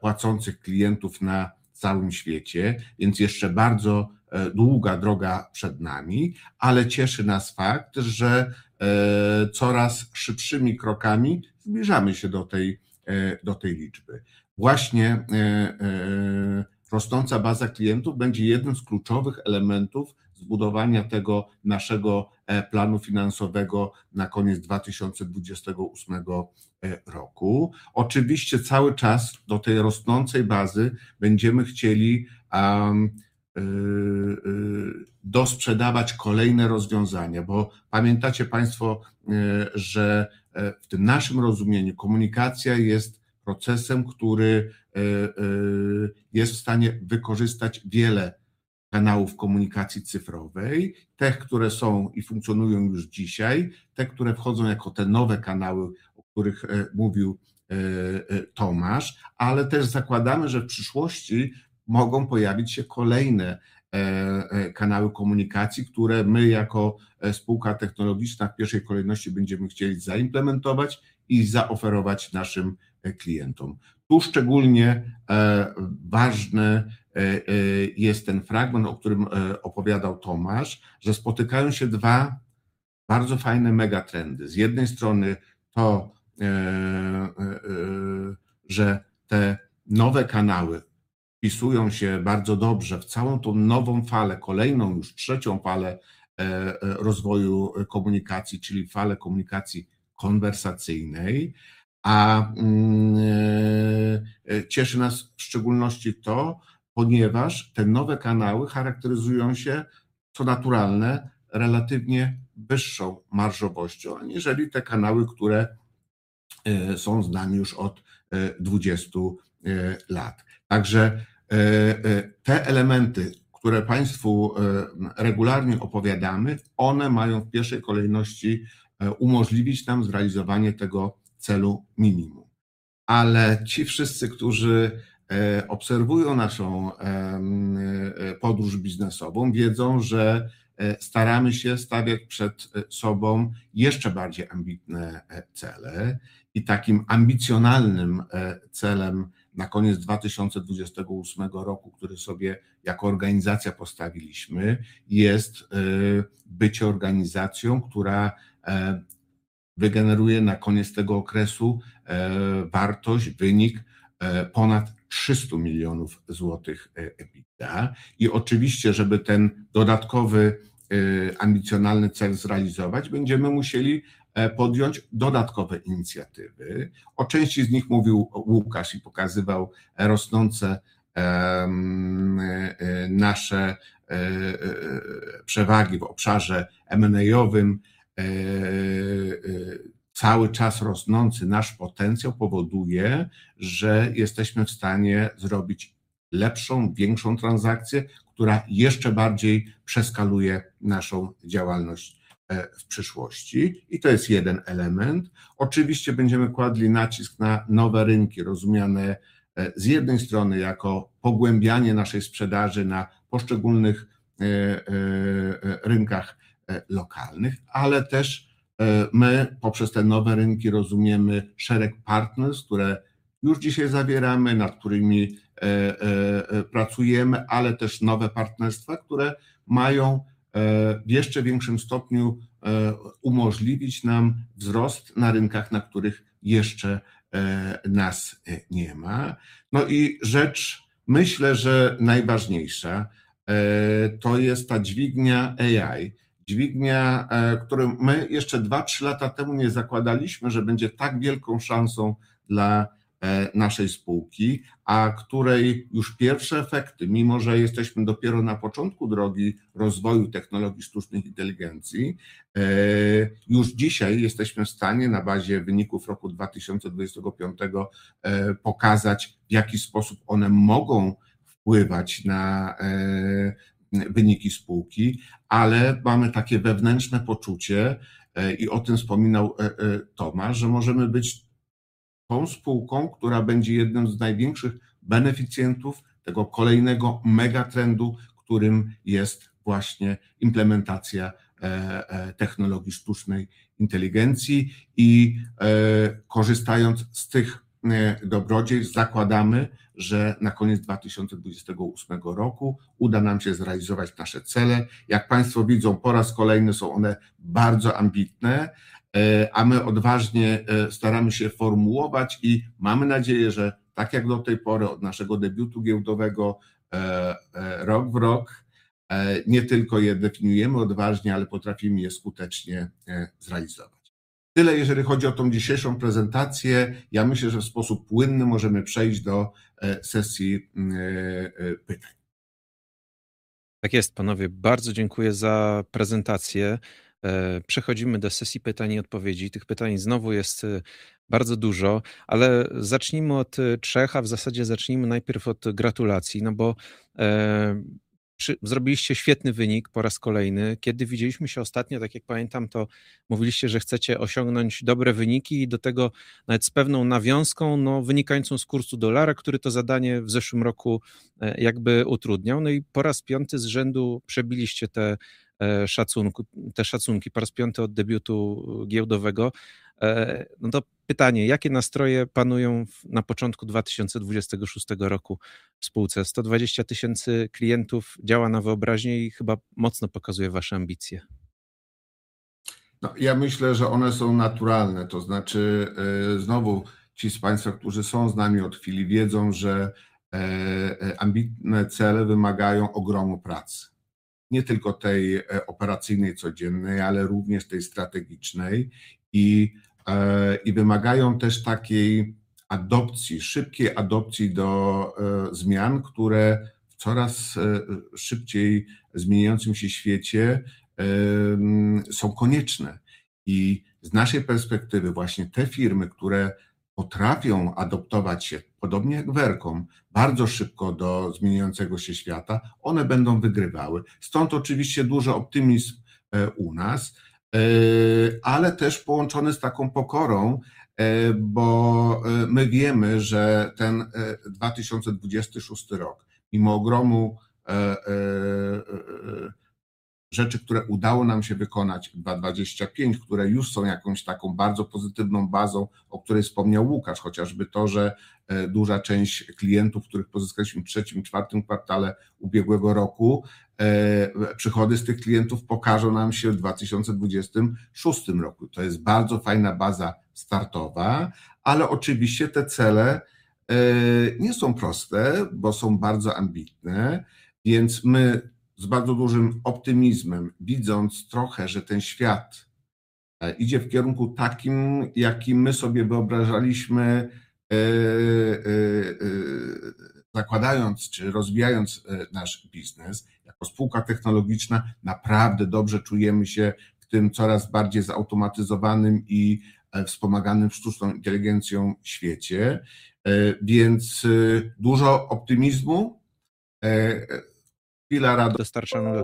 płacących klientów na całym świecie. Więc jeszcze bardzo długa droga przed nami. Ale cieszy nas fakt, że coraz szybszymi krokami zbliżamy się do tej liczby. Właśnie rosnąca baza klientów będzie jednym z kluczowych elementów zbudowania tego naszego planu finansowego na koniec 2028 roku. Oczywiście cały czas do tej rosnącej bazy będziemy chcieli dosprzedawać kolejne rozwiązania. Bo pamiętacie Państwo, że w tym naszym rozumieniu komunikacja jest procesem, który jest w stanie wykorzystać wiele kanałów komunikacji cyfrowej. Te, które są i funkcjonują już dzisiaj. Te, które wchodzą jako te nowe kanały, o których mówił Tomasz. Ale też zakładamy, że w przyszłości mogą pojawić się kolejne kanały komunikacji, które my jako spółka technologiczna w pierwszej kolejności będziemy chcieli zaimplementować i zaoferować naszym klientom. Tu szczególnie ważny jest ten fragment, o którym opowiadał Tomasz, że spotykają się dwa bardzo fajne megatrendy. Z jednej strony to, że te nowe kanały wpisują się bardzo dobrze w całą tę nową falę, kolejną już trzecią falę rozwoju komunikacji, czyli falę komunikacji konwersacyjnej. A cieszy nas w szczególności to, ponieważ te nowe kanały charakteryzują się, co naturalne, relatywnie wyższą marżowością aniżeli te kanały, które są z nami już od 20 lat. Także te elementy, które Państwu regularnie opowiadamy, one mają w pierwszej kolejności umożliwić nam zrealizowanie tego celu minimum. Ale ci wszyscy, którzy obserwują naszą podróż biznesową, wiedzą, że staramy się stawiać przed sobą jeszcze bardziej ambitne cele. I takim ambicjonalnym celem na koniec 2028 roku, który sobie jako organizacja postawiliśmy, jest bycie organizacją, która wygeneruje na koniec tego okresu wartość, wynik ponad 300 milionów złotych EBITDA. Oczywiście, żeby ten dodatkowy ambicjonalny cel zrealizować, będziemy musieli podjąć dodatkowe inicjatywy. O części z nich mówił Łukasz i pokazywał rosnące nasze przewagi w obszarze M&A-owym. Cały czas rosnący nasz potencjał powoduje, że jesteśmy w stanie zrobić lepszą, większą transakcję, która jeszcze bardziej przeskaluje naszą działalność w przyszłości. To jest jeden element. Oczywiście będziemy kładli nacisk na nowe rynki, rozumiane z jednej strony jako pogłębianie naszej sprzedaży na poszczególnych rynkach lokalnych, ale też my poprzez te nowe rynki rozumiemy szereg partnerstw, które już dzisiaj zawieramy, nad którymi pracujemy, ale też nowe partnerstwa, które mają w jeszcze większym stopniu umożliwić nam wzrost na rynkach, na których jeszcze nas nie ma. No i rzecz myślę, że najważniejsza to jest ta dźwignia AI. Dźwignia, którą my jeszcze dwa, trzy lata temu nie zakładaliśmy, że będzie tak wielką szansą dla naszej spółki, a której już pierwsze efekty, mimo że jesteśmy dopiero na początku drogi rozwoju technologii sztucznej inteligencji, już dzisiaj jesteśmy w stanie na bazie wyników roku 2025 pokazać, w jaki sposób one mogą wpływać na wyniki spółki. Mamy takie wewnętrzne poczucie i o tym wspominał Tomasz, że możemy być tą spółką, która będzie jednym z największych beneficjentów tego kolejnego megatrendu, którym jest właśnie implementacja technologii sztucznej inteligencji i korzystając z tych dobrodziejstw zakładamy, że na koniec 2028 roku uda nam się zrealizować nasze cele. Jak państwo widzą, po raz kolejny są one bardzo ambitne, a my odważnie staramy się formułować i mamy nadzieję, że tak jak do tej pory od naszego debiutu giełdowego, rok w rok, nie tylko je definiujemy odważnie, ale potrafimy je skutecznie zrealizować. Tyle jeżeli chodzi o tę dzisiejszą prezentację. Ja myślę, że w sposób płynny możemy przejść do sesji pytań. Tak jest panowie, bardzo dziękuję za prezentację. Przechodzimy do sesji pytań i odpowiedzi. Tych pytań znowu jest bardzo dużo, ale zacznijmy od trzech. W zasadzie zacznijmy najpierw od gratulacji, no bo zrobiliście świetny wynik po raz kolejny. Kiedy widzieliśmy się ostatnio, tak jak pamiętam, to mówiliście, że chcecie osiągnąć dobre wyniki i do tego nawet z pewną nawiązką, no wynikającą z kursu dolara, który to zadanie w zeszłym roku jakby utrudniał. No i po raz piąty z rzędu przebiliście te szacunki po raz piąty od debiutu giełdowego. No to pytanie, jakie nastroje panują na początku 2026 roku w spółce? 120,000 klientów działa na wyobraźnię i chyba mocno pokazuje wasze ambicje. No ja myślę, że one są naturalne. To znaczy, znowu ci z państwa, którzy są z nami od chwili wiedzą, że ambitne cele wymagają ogromu pracy. Nie tylko tej operacyjnej, codziennej, ale również tej strategicznej i wymagają też takiej adaptacji, szybkiej adaptacji do zmian, które w coraz szybciej zmieniającym się świecie są konieczne. Z naszej perspektywy właśnie te firmy, które potrafią adaptować się podobnie jak Vercom bardzo szybko do zmieniającego się świata one będą wygrywały. Stąd oczywiście duży optymizm u nas, ale też połączony z taką pokorą, bo my wiemy, że ten 2026 rok, mimo ogromu rzeczy, które udało nam się wykonać w 2025, które już są jakąś taką bardzo pozytywną bazą, o której wspomniał Łukasz. Chociażby to, że duża część klientów, których pozyskaliśmy w trzecim i czwartym kwartale ubiegłego roku, przychody z tych klientów pokażą nam się w 2026 roku. To jest bardzo fajna baza startowa, ale oczywiście te cele nie są proste, bo są bardzo ambitne, więc my z bardzo dużym optymizmem, widząc trochę, że ten świat idzie w kierunku takim, jakim my sobie wyobrażaliśmy, zakładając czy rozwijając nasz biznes. Jako spółka technologiczna naprawdę dobrze czujemy się w tym coraz bardziej zautomatyzowanym i wspomaganym sztuczną inteligencją świecie. Dużo optymizmu.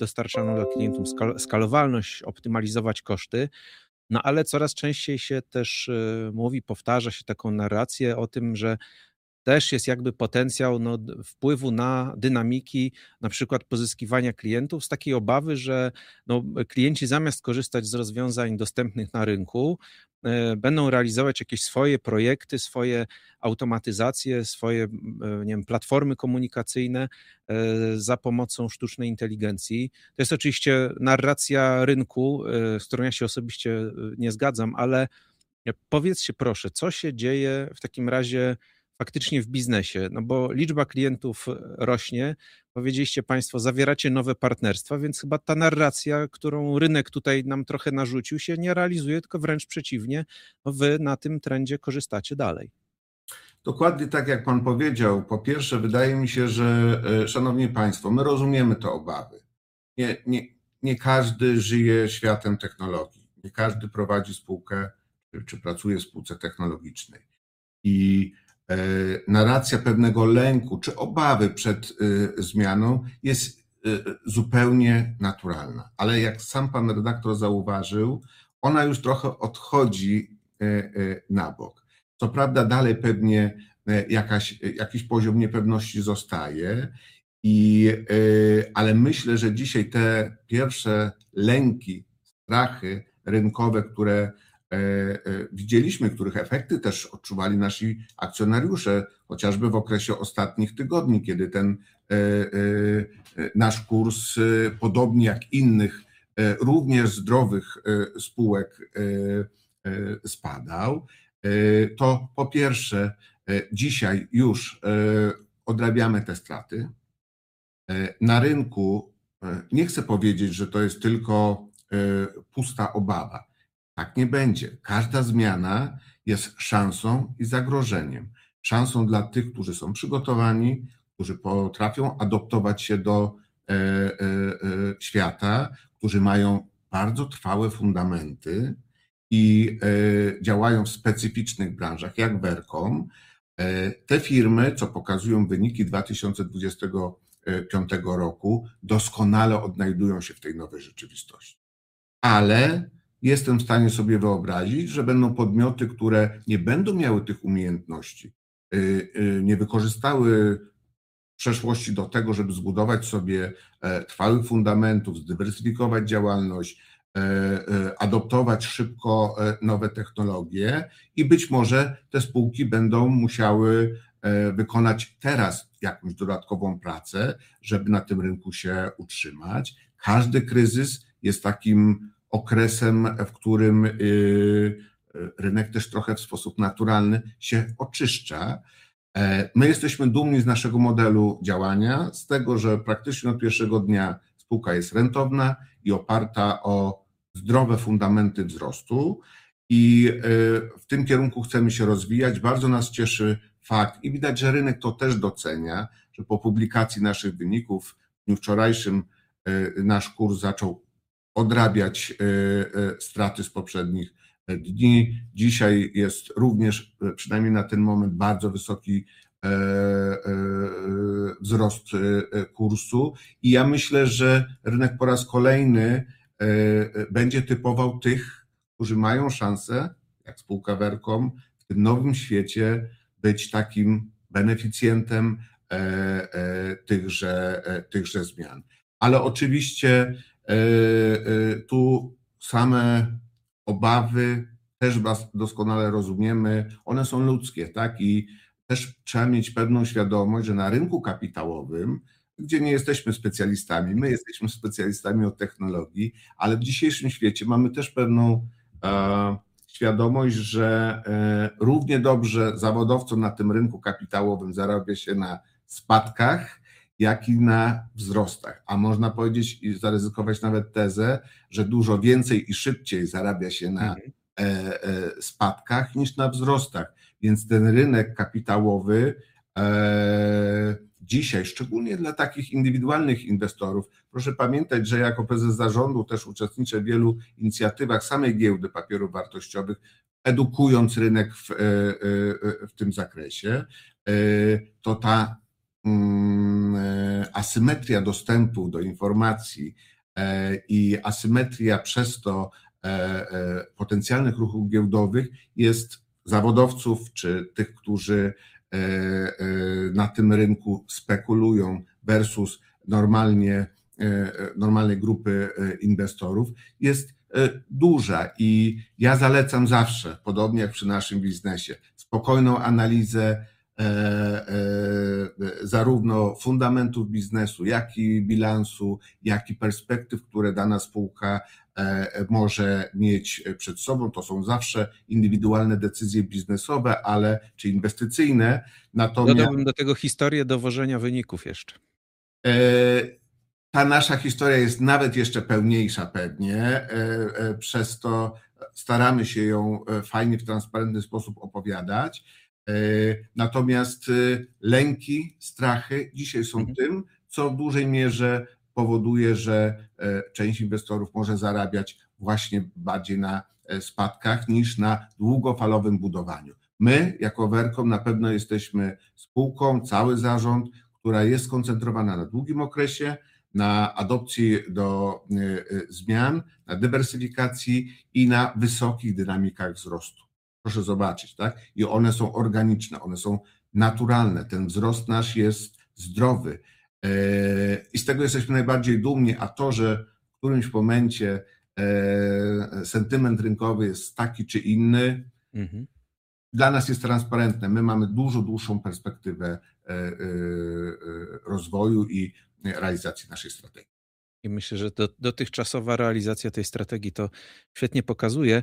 Dostarczano dla klientów skalowalność, optymalizować koszty. Ale coraz częściej się też mówi, powtarza się taką narrację o tym, że też jest jakby potencjał wpływu na dynamiki na przykład pozyskiwania klientów z takiej obawy, że klienci zamiast korzystać z rozwiązań dostępnych na rynku będą realizować jakieś swoje projekty, swoje automatyzacje, swoje nie wiem platformy komunikacyjne za pomocą sztucznej inteligencji. To jest oczywiście narracja rynku, z którą ja się osobiście nie zgadzam, ale powiedzcie proszę, co się dzieje w takim razie faktycznie w biznesie? Bo liczba klientów rośnie. Powiedzieliście państwo, zawieracie nowe partnerstwa, więc chyba ta narracja, którą rynek tutaj nam trochę narzucił, się nie realizuje, tylko wręcz przeciwnie, bo wy na tym trendzie korzystacie dalej. Dokładnie tak, jak pan powiedział. Po pierwsze wydaje mi się, że, szanowni państwo, my rozumiemy te obawy. Nie każdy żyje światem technologii, nie każdy prowadzi spółkę czy pracuje w spółce technologicznej i, narracja pewnego lęku czy obawy przed, zmianą jest, zupełnie naturalna, ale jak sam pan redaktor zauważył, ona już trochę odchodzi, na bok. Co prawda dalej pewnie, jakaś, jakiś poziom niepewności zostaje i, ale myślę, że dzisiaj te pierwsze lęki, strachy rynkowe, które, widzieliśmy, których efekty też odczuwali nasi akcjonariusze, chociażby w okresie ostatnich tygodni, kiedy ten, nasz kurs, podobnie jak innych, również zdrowych, spółek, spadał, to po pierwsze, dzisiaj już, odrabiamy te straty, na rynku. Nie chcę powiedzieć, że to jest tylko, pusta obawa. Tak nie będzie. Każda zmiana jest szansą i zagrożeniem. Szansą dla tych, którzy są przygotowani, którzy potrafią adaptować się do świata, którzy mają bardzo trwałe fundamenty i działają w specyficznych branżach, jak Vercom. Te firmy, co pokazują wyniki 2025 roku, doskonale odnajdują się w tej nowej rzeczywistości. Jestem w stanie sobie wyobrazić, że będą podmioty, które nie będą miały tych umiejętności, nie wykorzystały przeszłości do tego, żeby zbudować sobie trwałych fundamentów, zdywersyfikować działalność, adoptować szybko nowe technologie i być może te spółki będą musiały wykonać teraz jakąś dodatkową pracę, żeby na tym rynku się utrzymać. Każdy kryzys jest takim okresem, w którym rynek też trochę w sposób naturalny się oczyszcza. My jesteśmy dumni z naszego modelu działania, z tego, że praktycznie od pierwszego dnia spółka jest rentowna i oparta o zdrowe fundamenty wzrostu i w tym kierunku chcemy się rozwijać. Bardzo nas cieszy fakt i widać, że rynek to też docenia, że po publikacji naszych wyników w dniu wczorajszym, nasz kurs zaczął odrabiać straty z poprzednich dni. Dzisiaj jest również, przynajmniej na ten moment, bardzo wysoki wzrost kursu i ja myślę, że rynek po raz kolejny będzie typował tych, którzy mają szansę, jak spółka Vercom, w tym nowym świecie być takim beneficjentem tychże zmian. Ale oczywiście tu same obawy też was doskonale rozumiemy. One są ludzkie, tak? I też trzeba mieć pełną świadomość, że na rynku kapitałowym, gdzie nie jesteśmy specjalistami, my jesteśmy specjalistami od technologii, ale w dzisiejszym świecie mamy też pewną świadomość, że równie dobrze zawodowcom na tym rynku kapitałowym zarabia się na spadkach, jak i na wzrostach. Można powiedzieć i zaryzykować nawet tezę, że dużo więcej i szybciej zarabia się na spadkach niż na wzrostach. Ten rynek kapitałowy dzisiaj szczególnie dla takich indywidualnych inwestorów, proszę pamiętać, że jako prezes zarządu też uczestniczę w wielu inicjatywach samej Giełdy Papierów Wartościowych, edukując rynek w tym zakresie. To ta asymetria dostępu do informacji i asymetria przez to potencjalnych ruchów giełdowych jest zawodowców czy tych, którzy na tym rynku spekulują versus normalnie normalnej grupy inwestorów jest duża. Ja zalecam zawsze, podobnie jak przy naszym biznesie, spokojną analizę zarówno fundamentów biznesu, jak i bilansu, jak i perspektyw, które dana spółka może mieć przed sobą. To są zawsze indywidualne decyzje biznesowe, ale czy inwestycyjne. Natomiast Dodałbym do tego historię dowożenia wyników jeszcze. Ta nasza historia jest nawet jeszcze pełniejsza pewnie. Przez to staramy się ją fajnie, w transparentny sposób opowiadać. Natomiast lęki, strachy dzisiaj są tym, co w dużej mierze powoduje, że część inwestorów może zarabiać właśnie bardziej na spadkach niż na długofalowym budowaniu. My jako Vercom na pewno jesteśmy spółką, cały zarząd, która jest skoncentrowana na długim okresie, na adopcji do zmian, na dywersyfikacji i na wysokich dynamikach wzrostu. Proszę zobaczyć, tak? One są organiczne. One są naturalne. Ten wzrost nasz jest zdrowy i z tego jesteśmy najbardziej dumni. To, że w którymś momencie sentyment rynkowy jest taki czy inny. Mhm Dla nas jest transparentne. My mamy dużo dłuższą perspektywę, rozwoju i realizacji naszej strategii. I myślę, że dotychczasowa realizacja tej strategii to świetnie pokazuje.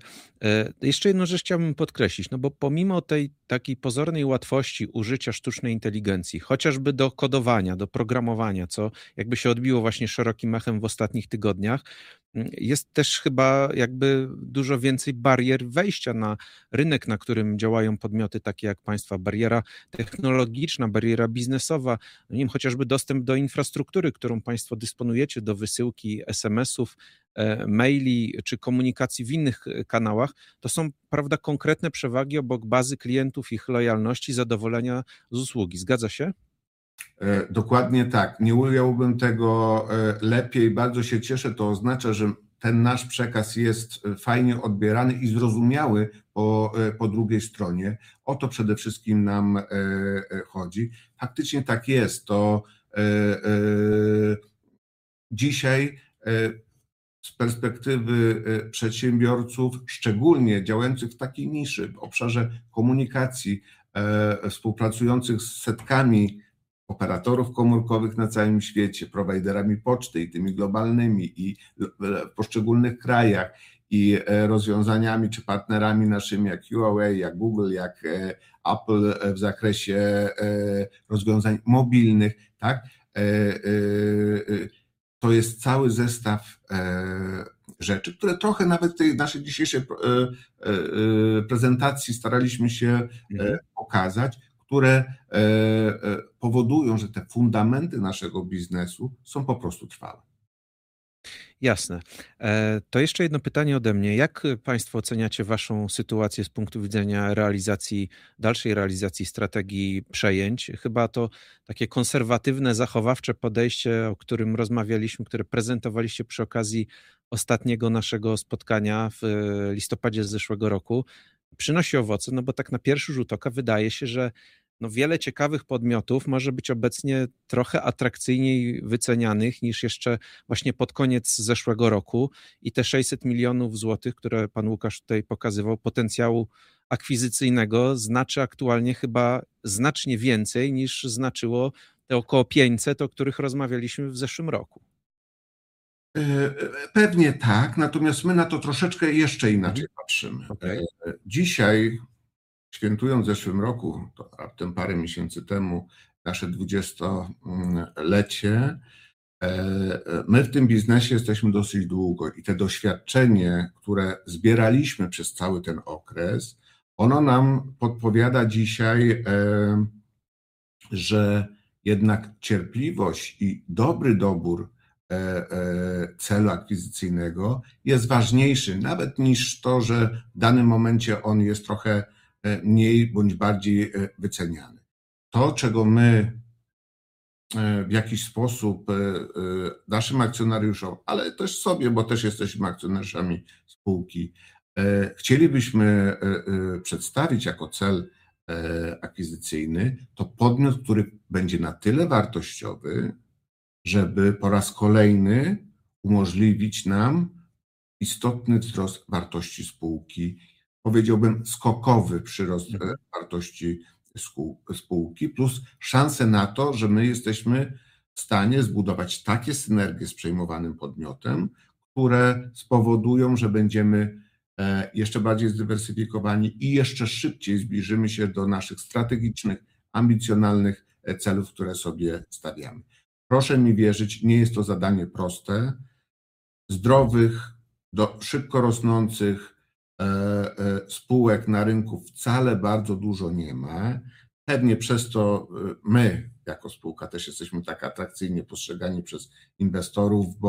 Jeszcze jedną rzecz chciałbym podkreślić. No bo pomimo tej takiej pozornej łatwości użycia sztucznej inteligencji, chociażby do kodowania, do programowania, co jakby się odbiło właśnie szerokim echem w ostatnich tygodniach, jest też chyba jakby dużo więcej barier wejścia na rynek, na którym działają podmioty takie jak państwo. Bariera technologiczna, bariera biznesowa, w tym chociażby dostęp do infrastruktury, którą państwo dysponujecie, do wysyłki SMS-ów, maili czy komunikacji w innych kanałach. To są, prawda, konkretne przewagi obok bazy klientów i ich lojalności, zadowolenia z usługi. Zgadza się? Dokładnie tak. Nie ująłbym tego lepiej. Bardzo się cieszę. To oznacza, że ten nasz przekaz jest fajnie odbierany i zrozumiały po drugiej stronie. O to przede wszystkim nam chodzi. Faktycznie tak jest. To dzisiaj z perspektywy przedsiębiorców, szczególnie działających w takiej niszy w obszarze komunikacji, współpracujących z setkami operatorów komórkowych na całym świecie, providerami poczty i tymi globalnymi i w poszczególnych krajach, i rozwiązaniami czy partnerami naszymi, jak Huawei, jak Google, jak Apple w zakresie rozwiązań mobilnych, tak? To jest cały zestaw rzeczy, które trochę nawet w tej naszej dzisiejszej prezentacji staraliśmy się pokazać, które powodują, że te fundamenty naszego biznesu są po prostu trwałe. Jasne. To jeszcze jedno pytanie ode mnie. Jak państwo oceniacie waszą sytuację z punktu widzenia dalszej realizacji strategii przejęć? Chyba to takie konserwatywne, zachowawcze podejście, o którym rozmawialiśmy, które prezentowaliście przy okazji ostatniego naszego spotkania w listopadzie z zeszłego roku, przynosi owoce. Bo tak na pierwszy rzut oka wydaje się, że wiele ciekawych podmiotów może być obecnie trochę atrakcyjniej wycenianych niż jeszcze właśnie pod koniec zeszłego roku. Te 600 milionów złotych, które pan Łukasz tutaj pokazywał potencjału akwizycyjnego, znaczy aktualnie chyba znacznie więcej, niż znaczyło te około 500, o których rozmawialiśmy w zeszłym roku. Pewnie tak. Natomiast my na to troszeczkę jeszcze inaczej patrzymy. Okej. Dzisiaj świętując w zeszłym roku, a potem parę miesięcy temu nasze dwudziestolecie. My w tym biznesie jesteśmy dosyć długo i te doświadczenie, które zbieraliśmy przez cały ten okres, ono nam podpowiada dzisiaj, że jednak cierpliwość i dobry dobór celu akwizycyjnego jest ważniejszy nawet niż to, że w danym momencie on jest trochę mniej bądź bardziej wyceniany. To, czego my w jakiś sposób naszym akcjonariuszom, ale też sobie, bo też jesteśmy akcjonariuszami spółki, chcielibyśmy przedstawić jako cel akwizycyjny to podmiot, który będzie na tyle wartościowy, żeby po raz kolejny umożliwić nam istotny wzrost wartości spółki. Powiedziałbym skokowy przyrost wartości spółki plus szanse na to, że my jesteśmy w stanie zbudować takie synergie z przejmowanym podmiotem, które spowodują, że będziemy jeszcze bardziej zdywersyfikowani i jeszcze szybciej zbliżymy się do naszych strategicznych, ambicjonalnych celów, które sobie stawiamy. Proszę mi wierzyć, nie jest to zadanie proste. Zdrowych, szybko rosnących, spółek na rynku wcale bardzo dużo nie ma. Pewnie przez to my jako spółka też jesteśmy tak atrakcyjnie postrzegani przez inwestorów,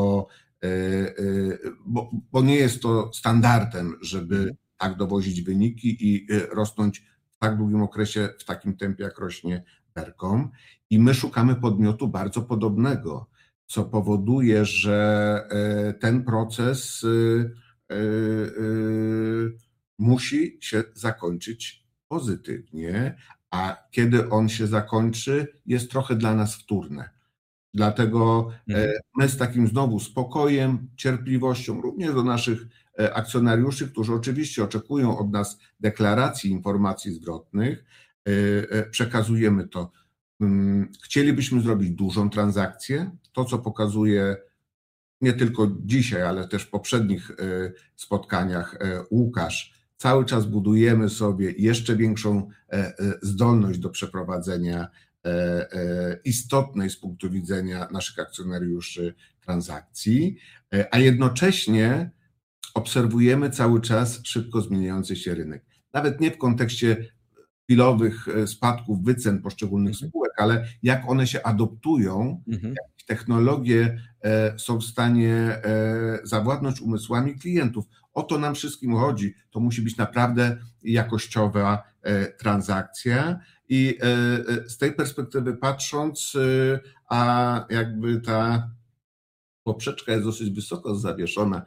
bo nie jest to standardem, żeby tak dowozić wyniki i rosnąć w tak długim okresie w takim tempie, jak rośnie Vercom. My szukamy podmiotu bardzo podobnego, co powoduje, że ten proces musi się zakończyć pozytywnie. Kiedy on się zakończy, jest trochę dla nas wtórne. Dlatego my z takim znowu spokojem, cierpliwością również do naszych akcjonariuszy, którzy oczywiście oczekują od nas deklaracji informacji zwrotnych, przekazujemy to. Chcielibyśmy zrobić dużą transakcję. To, co pokazuje nie tylko dzisiaj, ale też w poprzednich spotkaniach, Łukasz. Cały czas budujemy sobie jeszcze większą zdolność do przeprowadzenia istotnej z punktu widzenia naszych akcjonariuszy transakcji, a jednocześnie obserwujemy cały czas szybko zmieniający się rynek. Nawet nie w kontekście chwilowych spadków wycen poszczególnych spółek, ale jak one się adaptują. Mhm. Jakieś technologie są w stanie zawładnąć umysłami klientów. O to nam wszystkim chodzi. To musi być naprawdę jakościowa transakcja. Z tej perspektywy patrząc, a jakby ta poprzeczka jest dosyć wysoko zawieszona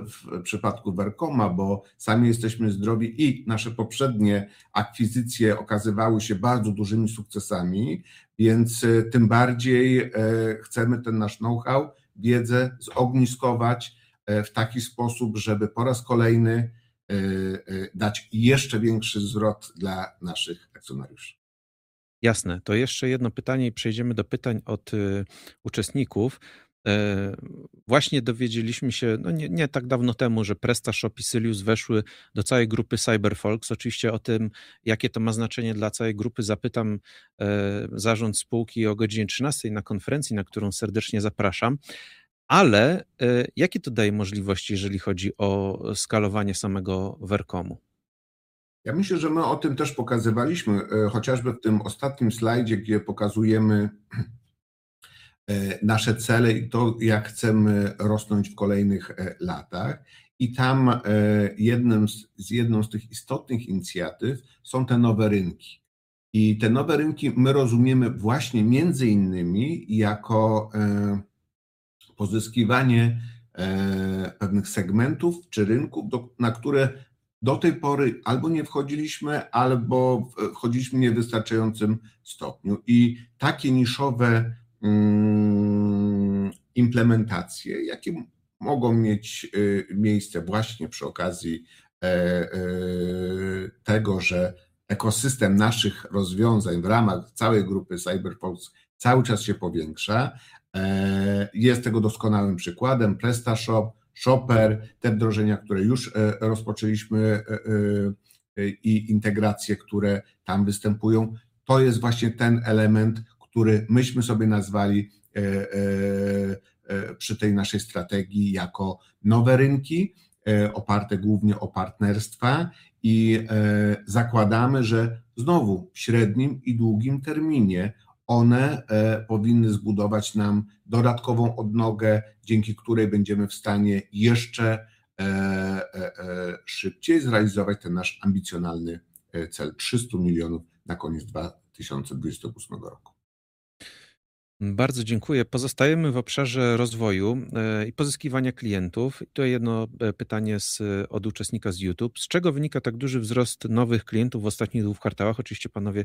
w przypadku Vercom, bo sami jesteśmy zdrowi i nasze poprzednie akwizycje okazywały się bardzo dużymi sukcesami, więc tym bardziej chcemy ten nasz know how wiedzę zogniskować w taki sposób, żeby po raz kolejny dać jeszcze większy zwrot dla naszych akcjonariuszy. Jasne. Jeszcze jedno pytanie i przejdziemy do pytań od uczestników. Właśnie dowiedzieliśmy się, no nie tak dawno temu, że PrestaShop i Sylius weszły do całej grupy Cyber_Folks. Oczywiście o tym, jakie to ma znaczenie dla całej grupy, zapytam zarząd spółki o godzinie trzynastej na konferencji, na którą serdecznie zapraszam. Jakie to daje możliwości, jeżeli chodzi o skalowanie samego Vercomu? Ja myślę, że my o tym też pokazywaliśmy, chociażby w tym ostatnim slajdzie, gdzie pokazujemy nasze cele i to, jak chcemy rosnąć w kolejnych latach. Tam jedną z tych istotnych inicjatyw są te nowe rynki. Te nowe rynki my rozumiemy właśnie między innymi jako pozyskiwanie pewnych segmentów czy rynków, na które do tej pory albo nie wchodziliśmy, albo wchodziliśmy w niewystarczającym stopniu i takie niszowe implementacje, jakie mogą mieć miejsce właśnie przy okazji tego, że ekosystem naszych rozwiązań w ramach całej grupy Cyber_Folks cały czas się powiększa. Jest tego doskonałym przykładem PrestaShop, Shoper. Te wdrożenia, które już rozpoczęliśmy, i integracje, które tam występują, to jest właśnie ten element, który myśmy sobie nazwali, przy tej naszej strategii jako nowe rynki, oparte głównie o partnerstwa i zakładamy, że znowu w średnim i długim terminie one powinny zbudować nam dodatkową odnogę, dzięki której będziemy w stanie jeszcze szybciej zrealizować ten nasz ambicjonalny cel 300 milionów na koniec 2028 roku. Bardzo dziękuję. Pozostajemy w obszarze rozwoju i pozyskiwania klientów. Tutaj jedno pytanie od uczestnika z YouTube: „Z czego wynika tak duży wzrost nowych klientów w ostatnich dwóch kwartałach?” Oczywiście panowie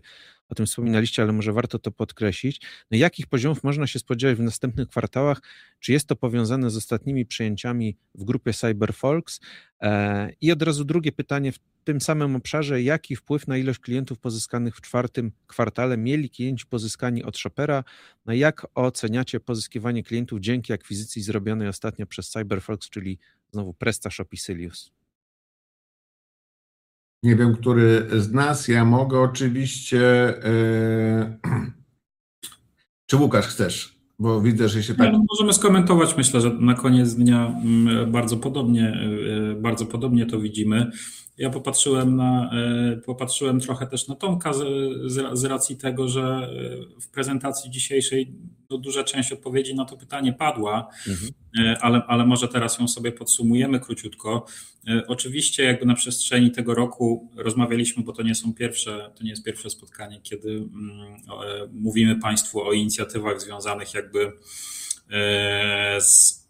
o tym wspominaliście, ale może warto to podkreślić. No i jakich poziomów można się spodziewać w następnych kwartałach? Czy jest to powiązane z ostatnimi przejęciami w grupie Cyber_Folks? Od razu drugie pytanie w tym samym obszarze: „Jaki wpływ na ilość klientów pozyskanych w czwartym kwartale mieli klienci pozyskani od Shoper? No i jak oceniacie pozyskiwanie klientów dzięki akwizycji zrobionej ostatnio przez Cyber_Folks, czyli znowu PrestaShop i Sylius?” Nie wiem, który z nas. Ja mogę oczywiście. Czy Łukasz chcesz? Bo widzę, że się tak- Tak, możemy skomentować. Myślę, że na koniec dnia, bardzo podobnie to widzimy. Ja popatrzyłem trochę też na Tomasza z racji tego, że w prezentacji dzisiejszej no duża część odpowiedzi na to pytanie padła. Mhm Ale może teraz ją sobie podsumujemy króciutko. Oczywiście jakby na przestrzeni tego roku rozmawialiśmy, bo to nie jest pierwsze spotkanie, kiedy mówimy państwu o inicjatywach związanych jakby z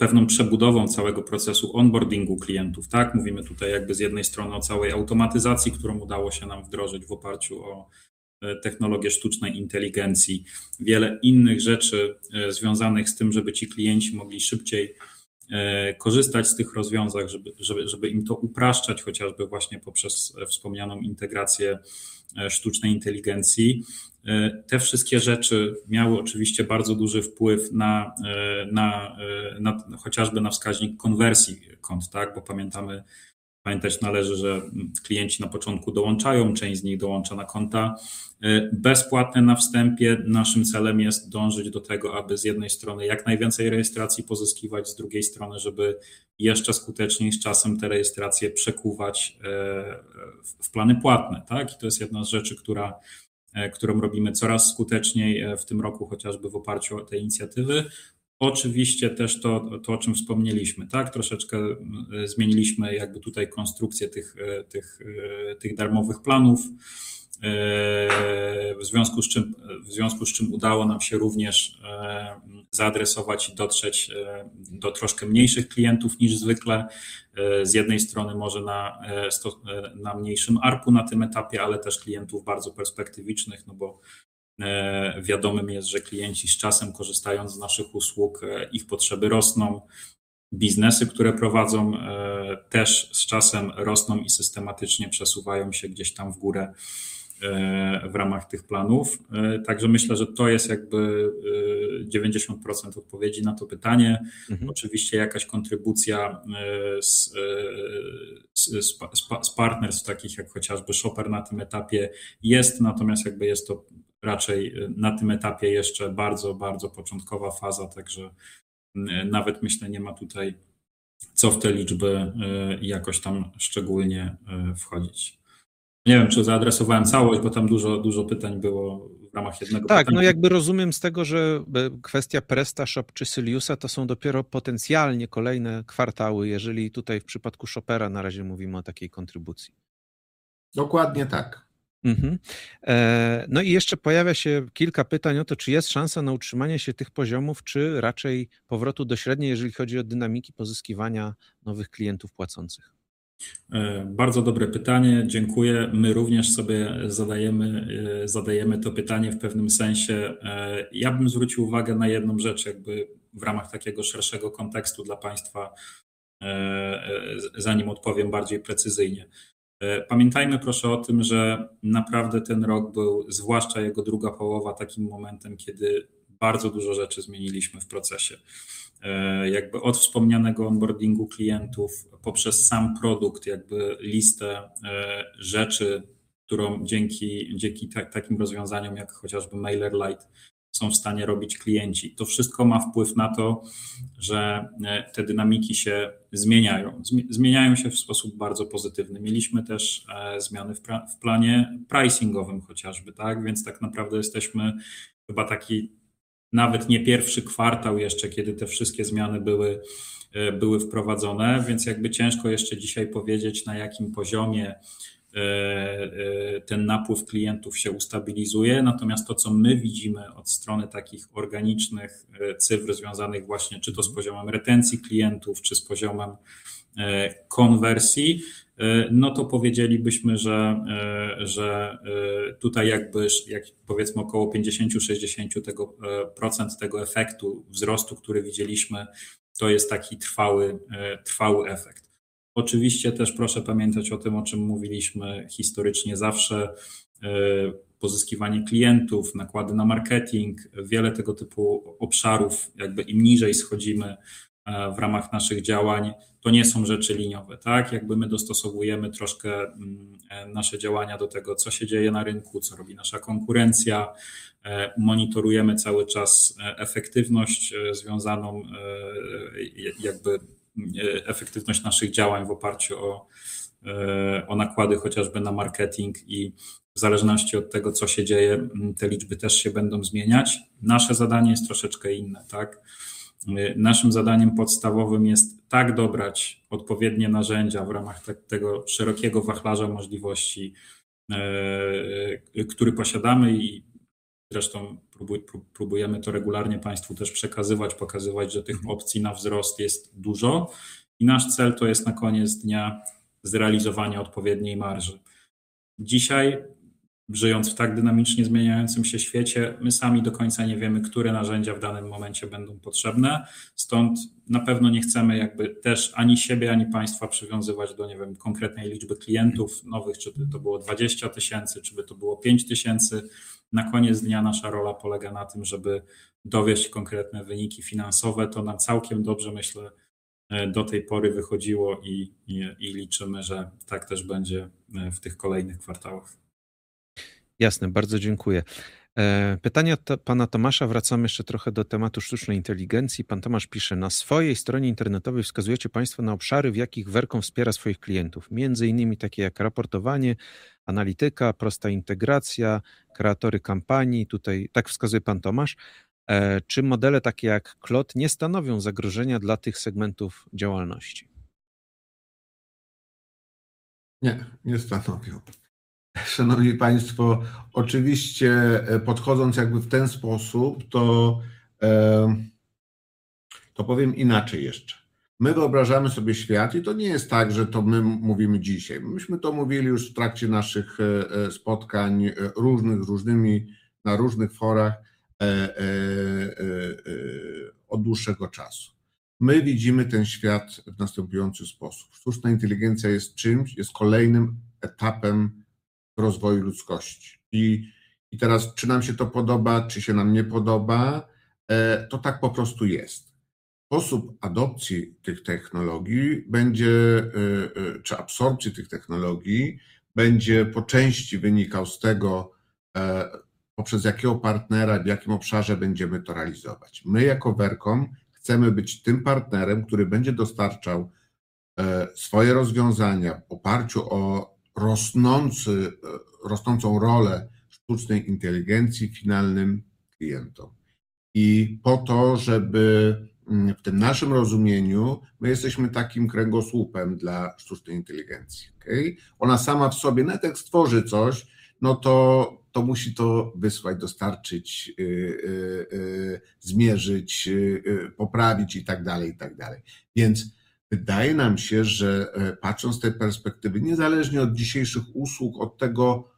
pewną przebudową całego procesu onboardingu klientów, tak? Mówimy tutaj jakby z jednej strony o całej automatyzacji, którą udało się nam wdrożyć w oparciu o technologię sztucznej inteligencji. Wiele innych rzeczy związanych z tym, żeby ci klienci mogli szybciej korzystać z tych rozwiązań, żeby im to upraszczać, chociażby właśnie poprzez wspomnianą integrację sztucznej inteligencji. Te wszystkie rzeczy miały oczywiście bardzo duży wpływ na chociażby na wskaźnik konwersji kont, tak? Bo pamiętamy. Pamiętać należy, że klienci na początku dołączają. Część z nich dołącza na konta bezpłatne na wstępie. Naszym celem jest dążyć do tego, aby z jednej strony jak najwięcej rejestracji pozyskiwać, z drugiej strony, żeby jeszcze skuteczniej z czasem te rejestracje przekuwać w plany płatne, tak? To jest jedna z rzeczy, którą robimy coraz skuteczniej w tym roku, chociażby w oparciu o te inicjatywy. Oczywiście też to, o czym wspomnieliśmy, tak? Troszeczkę zmieniliśmy jakby tutaj konstrukcję tych darmowych planów. W związku z czym udało nam się również zaadresować i dotrzeć do troszkę mniejszych klientów niż zwykle. Z jednej strony może na mniejszym ARPU na tym etapie, ale też klientów bardzo perspektywicznych, no bo wiadomym jest, że klienci z czasem korzystając z naszych usług ich potrzeby rosną. Biznesy, które prowadzą, też z czasem rosną i systematycznie przesuwają się gdzieś tam w górę, w ramach tych planów. Także myślę, że to jest jakby 90% odpowiedzi na to pytanie. Mhm. Oczywiście jakaś kontrybucja z partnerstw takich jak chociażby Shoper na tym etapie jest, natomiast jakby jest to raczej na tym etapie jeszcze bardzo początkowa faza. Także nawet myślę, nie ma tutaj co w te liczby jakoś tam szczególnie wchodzić. Nie wiem, czy zaadresowałem całość, bo tam dużo pytań było w ramach jednego pytania. Tak, no jakby rozumiem z tego, że kwestia PrestaShop czy Sylius to są dopiero potencjalnie kolejne kwartały. Jeżeli tutaj w przypadku Shoper na razie mówimy o takiej kontrybucji. Dokładnie tak. No i jeszcze pojawia się kilka pytań o to, czy jest szansa na utrzymanie się tych poziomów, czy raczej powrotu do średniej, jeżeli chodzi o dynamiki pozyskiwania nowych klientów płacących. Bardzo dobre pytanie. Dziękuję. My również sobie zadajemy to pytanie w pewnym sensie. Ja bym zwrócił uwagę na jedną rzecz, jakby w ramach takiego szerszego kontekstu dla państwa, zanim odpowiem bardziej precyzyjnie. Pamiętajmy proszę o tym, że naprawdę ten rok był, zwłaszcza jego druga połowa, takim momentem, kiedy bardzo dużo rzeczy zmieniliśmy w procesie. Jakby od wspomnianego onboardingu klientów poprzez sam produkt, jakby listę rzeczy, którą dzięki takim rozwiązaniom jak chociażby MailerLite są w stanie robić klienci. To wszystko ma wpływ na to, że te dynamiki się zmieniają. Zmieniają się w sposób bardzo pozytywny. Mieliśmy też zmiany w planie pricingowym chociażby, tak? Więc tak naprawdę jesteśmy chyba taki nawet nie pierwszy kwartał jeszcze, kiedy te wszystkie zmiany były wprowadzone, więc jakby ciężko jeszcze dzisiaj powiedzieć, na jakim poziomie ten napływ klientów się ustabilizuje. Natomiast to, co my widzimy od strony takich organicznych cyfr związanych właśnie czy to z poziomem retencji klientów, czy z poziomem konwersji, no to powiedzielibyśmy, że tutaj jakby powiedzmy około 50-60% tego efektu wzrostu, który widzieliśmy, to jest taki trwały efekt. Oczywiście też proszę pamiętać o tym, o czym mówiliśmy historycznie zawsze. Pozyskiwanie klientów, nakłady na marketing, wiele tego typu obszarów. Jakby im niżej schodzimy w ramach naszych działań, to nie są rzeczy liniowe, tak? Jakby my dostosowujemy troszkę nasze działania do tego, co się dzieje na rynku, co robi nasza konkurencja. Monitorujemy cały czas efektywność związaną jakby efektywność naszych działań w oparciu o nakłady chociażby na marketing i w zależności od tego, co się dzieje, te liczby też się będą zmieniać. Nasze zadanie jest troszeczkę inne, tak? Naszym zadaniem podstawowym jest tak dobrać odpowiednie narzędzia w ramach tego szerokiego wachlarza możliwości, który posiadamy i zresztą próbujemy to regularnie Państwu też przekazywać, pokazywać, że tych opcji na wzrost jest dużo. Nasz cel to jest na koniec dnia zrealizowanie odpowiedniej marży. Dzisiaj, żyjąc w tak dynamicznie zmieniającym się świecie, my sami do końca nie wiemy, które narzędzia w danym momencie będą potrzebne. Stąd na pewno nie chcemy, jakby, też ani siebie, ani Państwa przywiązywać do, nie wiem, konkretnej liczby nowych klientów. Czy by to było 20 tysięcy, czy by to było 5 tysięcy. Na koniec dnia nasza rola polega na tym, żeby dowieźć konkretne wyniki finansowe. To nam całkiem dobrze, myślę, do tej pory wychodziło i liczymy, że tak też będzie w tych kolejnych kwartałach. Jasne. Bardzo dziękuję. Pytanie od pana Tomasza. Wracamy jeszcze trochę do tematu sztucznej inteligencji. Pan Tomasz pisze: „Na swojej stronie internetowej wskazujecie państwo na obszary, w jakich Vercom wspiera swoich klientów, między innymi takie jak raportowanie, analityka, prosta integracja, kreatory kampanii.” Tutaj, tak wskazuje pan Tomasz. Czy modele takie jak Claude nie stanowią zagrożenia dla tych segmentów działalności? Nie, nie stanowią. Szanowni Państwo, oczywiście, podchodząc jakby w ten sposób, to powiem inaczej jeszcze. My wyobrażamy sobie świat i to nie jest tak, że to my mówimy dzisiaj. Myśmy to mówili już w trakcie naszych spotkań różnych z różnymi na różnych forach od dłuższego czasu. My widzimy ten świat w następujący sposób. Sztuczna inteligencja jest czymś, jest kolejnym etapem rozwoju ludzkości. I teraz czy nam się to podoba, czy się nam nie podoba, to tak po prostu jest. Sposób adopcji tych technologii będzie czy absorpcji tych technologii będzie po części wynikał z tego poprzez jakiego partnera i w jakim obszarze będziemy to realizować. My jako Vercom chcemy być tym partnerem, który będzie dostarczał swoje rozwiązania w oparciu o rosnącą rolę sztucznej inteligencji finalnym klientom. Po to, żeby w tym naszym rozumieniu my jesteśmy takim kręgosłupem dla sztucznej inteligencji, okej? Ona sama w sobie, nawet jak stworzy coś, no to musi to wysłać, dostarczyć, zmierzyć, poprawić i tak dalej. Wydaje nam się, że patrząc z tej perspektywy, niezależnie od dzisiejszych usług, od tego,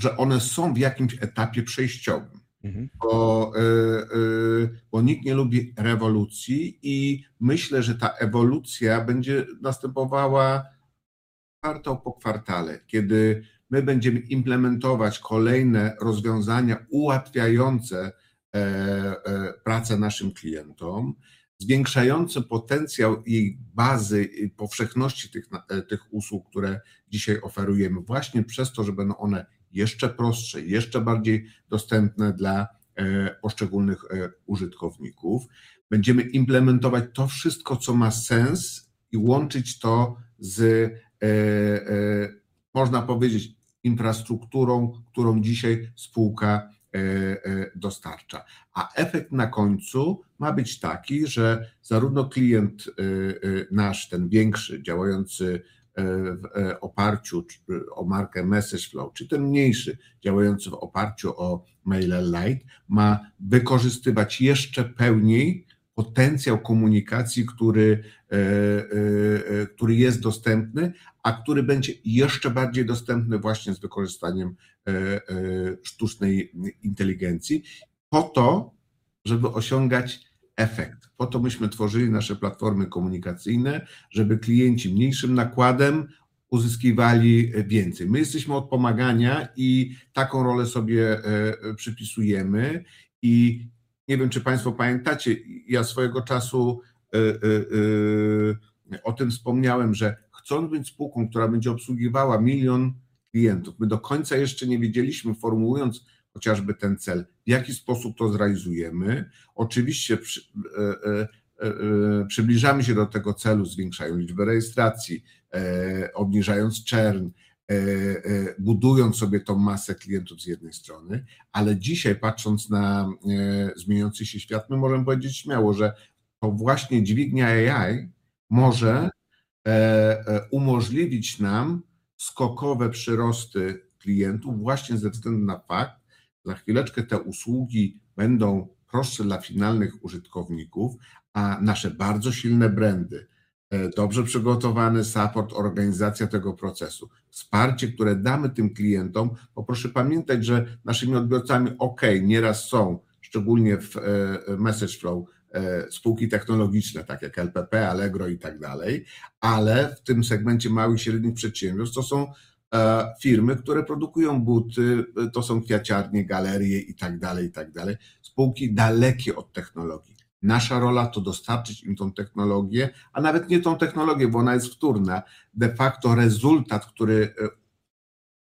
że one są w jakimś etapie przejściowym. Mhm Bo nikt nie lubi rewolucji. Myślę, że ta ewolucja będzie następowała kwartał po kwartale, kiedy my będziemy implementować kolejne rozwiązania ułatwiające pracę naszym klientom, zwiększające potencjał i bazy powszechności tych usług, które dzisiaj oferujemy. Właśnie przez to, że będą one jeszcze prostsze i jeszcze bardziej dostępne dla poszczególnych użytkowników. Będziemy implementować to wszystko, co ma sens i łączyć to z można powiedzieć infrastrukturą, którą dzisiaj spółka dostarcza. Efekt na końcu ma być taki, że zarówno klient nasz ten większy, działający w oparciu o markę MessageFlow, czy ten mniejszy, działający w oparciu o MailerLite, ma wykorzystywać jeszcze pełniej potencjał komunikacji, który jest dostępny, a który będzie jeszcze bardziej dostępny właśnie z wykorzystaniem sztucznej inteligencji. Po to, żeby osiągać efekt. Po to myśmy tworzyli nasze platformy komunikacyjne, żeby klienci mniejszym nakładem uzyskiwali więcej. My jesteśmy od pomagania i taką rolę sobie przypisujemy. Nie wiem, czy państwo pamiętacie, ja swojego czasu o tym wspomniałem, że chcąc być spółką, która będzie obsługiwała 1 milion klientów, my do końca jeszcze nie wiedzieliśmy, formułując chociażby ten cel, w jaki sposób to zrealizujemy. Oczywiście przybliżamy się do tego celu, zwiększając liczbę rejestracji, obniżając churn, budując sobie tę masę klientów z jednej strony. Dzisiaj, patrząc na zmieniający się świat, my możemy powiedzieć śmiało, że to właśnie dźwignia AI może umożliwić nam skokowe przyrosty klientów właśnie ze względu na fakt, że za chwileczkę te usługi będą prostsze dla finalnych użytkowników, a nasze bardzo silne brandy, dobrze przygotowany support, organizacja tego procesu, wsparcie, które damy tym klientom. Bo proszę pamiętać, że naszymi odbiorcami, okej, nieraz są, szczególnie w MessageFlow, spółki technologiczne takie jak LPP, Allegro i tak dalej, ale w tym segmencie małych i średnich przedsiębiorstw to są firmy, które produkują buty, to są kwiaciarnie, galerie i tak dalej. Spółki dalekie od technologii. Nasza rola to dostarczyć im tę technologię, a nawet nie tę technologię, bo ona jest wtórna. De facto rezultat, który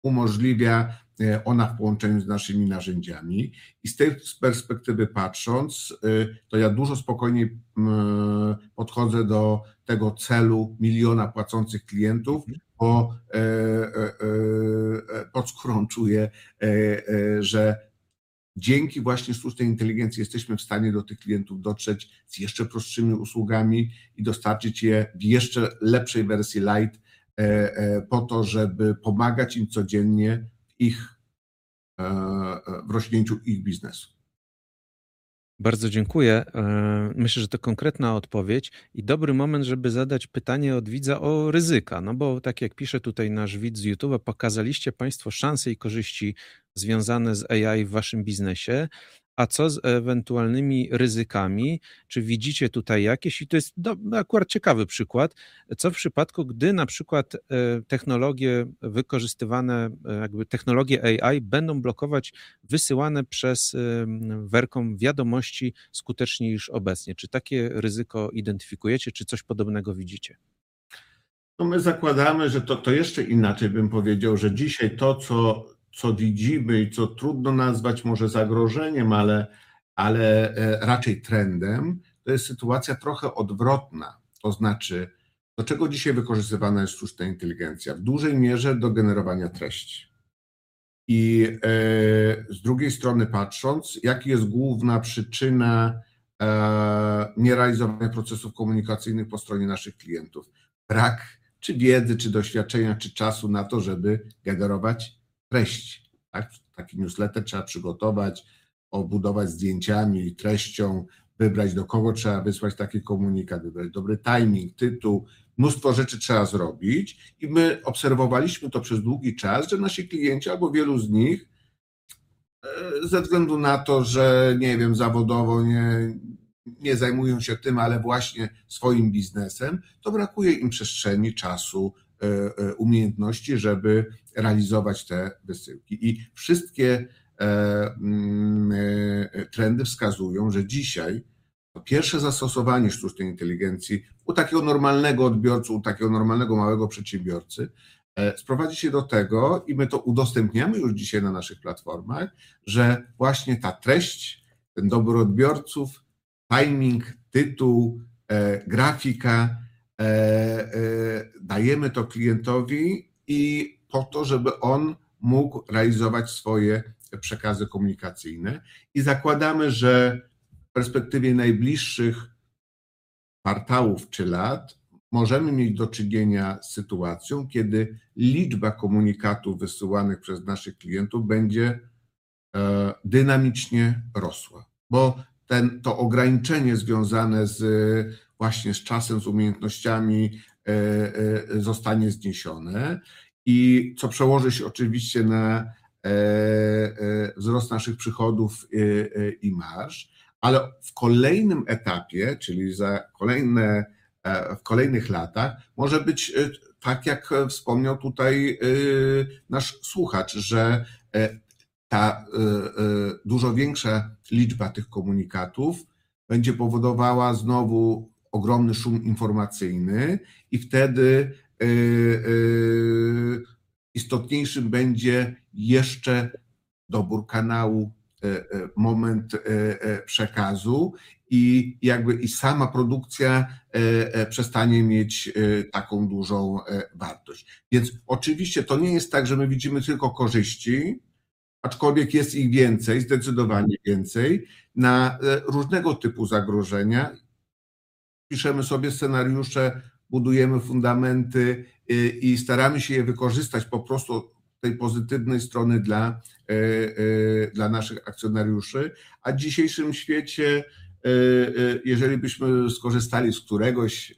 umożliwia ona w połączeniu z naszymi narzędziami. Z perspektywy patrząc, to ja dużo spokojniej podchodzę do tego celu miliona płacących klientów, bo pod skórą czuję, że dzięki właśnie sztucznej inteligencji jesteśmy w stanie do tych klientów dotrzeć z jeszcze prostszymi usługami i dostarczyć je w jeszcze lepszej wersji light, po to, żeby pomagać im codziennie w rośnięciu ich biznesu. Bardzo dziękuję. Myślę, że to konkretna odpowiedź i dobry moment, żeby zadać pytanie od widza o ryzyka. No bo tak jak pisze tutaj nasz widz z YouTube'a, pokazaliście państwo szanse i korzyści związane z AI w waszym biznesie. Co z ewentualnymi ryzykami? Czy widzicie tutaj jakieś? To jest, no, akurat ciekawy przykład. Co w przypadku, gdy na przykład technologie AI będą blokować wysyłane przez Vercom wiadomości skuteczniej niż obecnie? Czy takie ryzyko identyfikujecie? Czy coś podobnego widzicie? No, my zakładamy, że to jeszcze inaczej bym powiedział, że dzisiaj to, co widzimy i co trudno nazwać może zagrożeniem, ale raczej trendem, to jest sytuacja trochę odwrotna. To znaczy, do czego dzisiaj wykorzystywana jest sztuczna inteligencja? W dużej mierze do generowania treści. Z drugiej strony patrząc, jaka jest główna przyczyna nierealizowania procesów komunikacyjnych po stronie naszych klientów? Brak czy wiedzy, czy doświadczenia, czy czasu na to, żeby generować treści, tak? Taki newsletter trzeba przygotować, obudować zdjęciami i treścią, wybrać, do kogo trzeba wysłać taki komunikat, wybrać dobry timing, tytuł. Mnóstwo rzeczy trzeba zrobić i my obserwowaliśmy to przez długi czas, że nasi klienci albo wielu z nich ze względu na to, że nie wiem, zawodowo nie zajmują się tym, ale właśnie swoim biznesem, to brakuje im przestrzeni, czasu, umiejętności, żeby realizować te wysyłki. Wszystkie trendy wskazują, że dzisiaj pierwsze zastosowanie sztucznej inteligencji u takiego normalnego odbiorcy, u takiego normalnego małego przedsiębiorcy, sprowadzi się do tego, my to udostępniamy już dzisiaj na naszych platformach, że właśnie ta treść, ten dobór odbiorców, timing, tytuł, grafika, dajemy to klientowi i po to, żeby on mógł realizować swoje przekazy komunikacyjne. Zakładamy, że w perspektywie najbliższych kwartałów czy lat możemy mieć do czynienia z sytuacją, kiedy liczba komunikatów wysyłanych przez naszych klientów będzie dynamicznie rosła, bo to ograniczenie związane z właśnie z czasem, z umiejętnościami, zostanie zniesione i co przełoży się oczywiście na wzrost naszych przychodów i marż. W kolejnym etapie, czyli w kolejnych latach, może być tak, jak wspomniał tutaj nasz słuchacz, że ta dużo większa liczba tych komunikatów będzie powodowała znowu ogromny szum informacyjny. istotniejszy będzie jeszcze dobór kanału, moment, przekazu i jakby i sama produkcja, przestanie mieć, taką dużą, wartość. Oczywiście to nie jest tak, że my widzimy tylko korzyści, aczkolwiek jest ich więcej, zdecydowanie więcej na, różnego typu zagrożenia. Piszemy sobie scenariusze, budujemy fundamenty, i staramy się je wykorzystać po prostu od tej pozytywnej strony dla naszych akcjonariuszy. W dzisiejszym świecie, jeżeli byśmy skorzystali z któregoś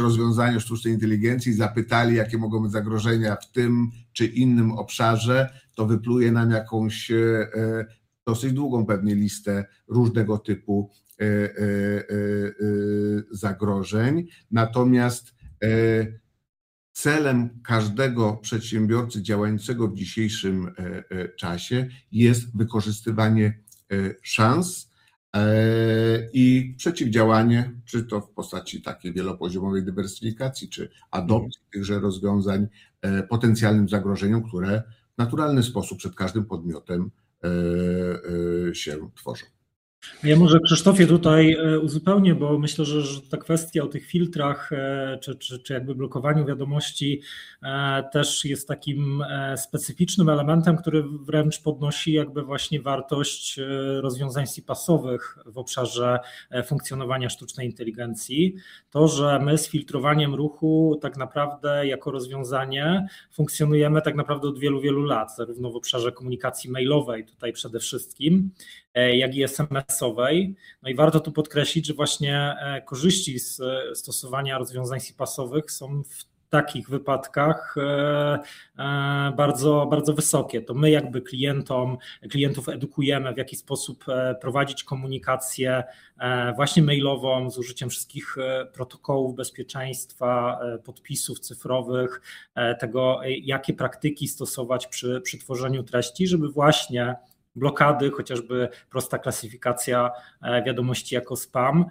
rozwiązania sztucznej inteligencji i zapytali, jakie mogą być zagrożenia w tym czy innym obszarze, to wypluje nam jakąś, dosyć długą pewnie listę różnego typu, zagrożeń. Celem każdego przedsiębiorcy działającego w dzisiejszym czasie jest wykorzystywanie szans i przeciwdziałanie czy to w postaci takiej wielopoziomowej dywersyfikacji, czy adopcji tychże rozwiązań potencjalnym zagrożeniom, które w naturalny sposób przed każdym podmiotem się tworzą. Ja może, Krzysztofie, tutaj uzupełnię, bo myślę, że ta kwestia o tych filtrach, czy jakby blokowaniu wiadomości, też jest takim specyficznym elementem, który wręcz podnosi jakby właśnie wartość rozwiązań CPaaS-owych w obszarze funkcjonowania sztucznej inteligencji. To, że my z filtrowaniem ruchu tak naprawdę jako rozwiązanie funkcjonujemy od wielu lat, zarówno w obszarze komunikacji mailowej tutaj przede wszystkim, jak i SMS-owej. Warto tu podkreślić, że korzyści z stosowania rozwiązań CPaaS-owych są w takich wypadkach bardzo wysokie. To my jakby klientów edukujemy, w jaki sposób prowadzić komunikację mailową z użyciem wszystkich protokołów bezpieczeństwa, podpisów cyfrowych, tego, jakie praktyki stosować przy tworzeniu treści, żeby właśnie blokady, chociażby prosta klasyfikacja wiadomości jako spam,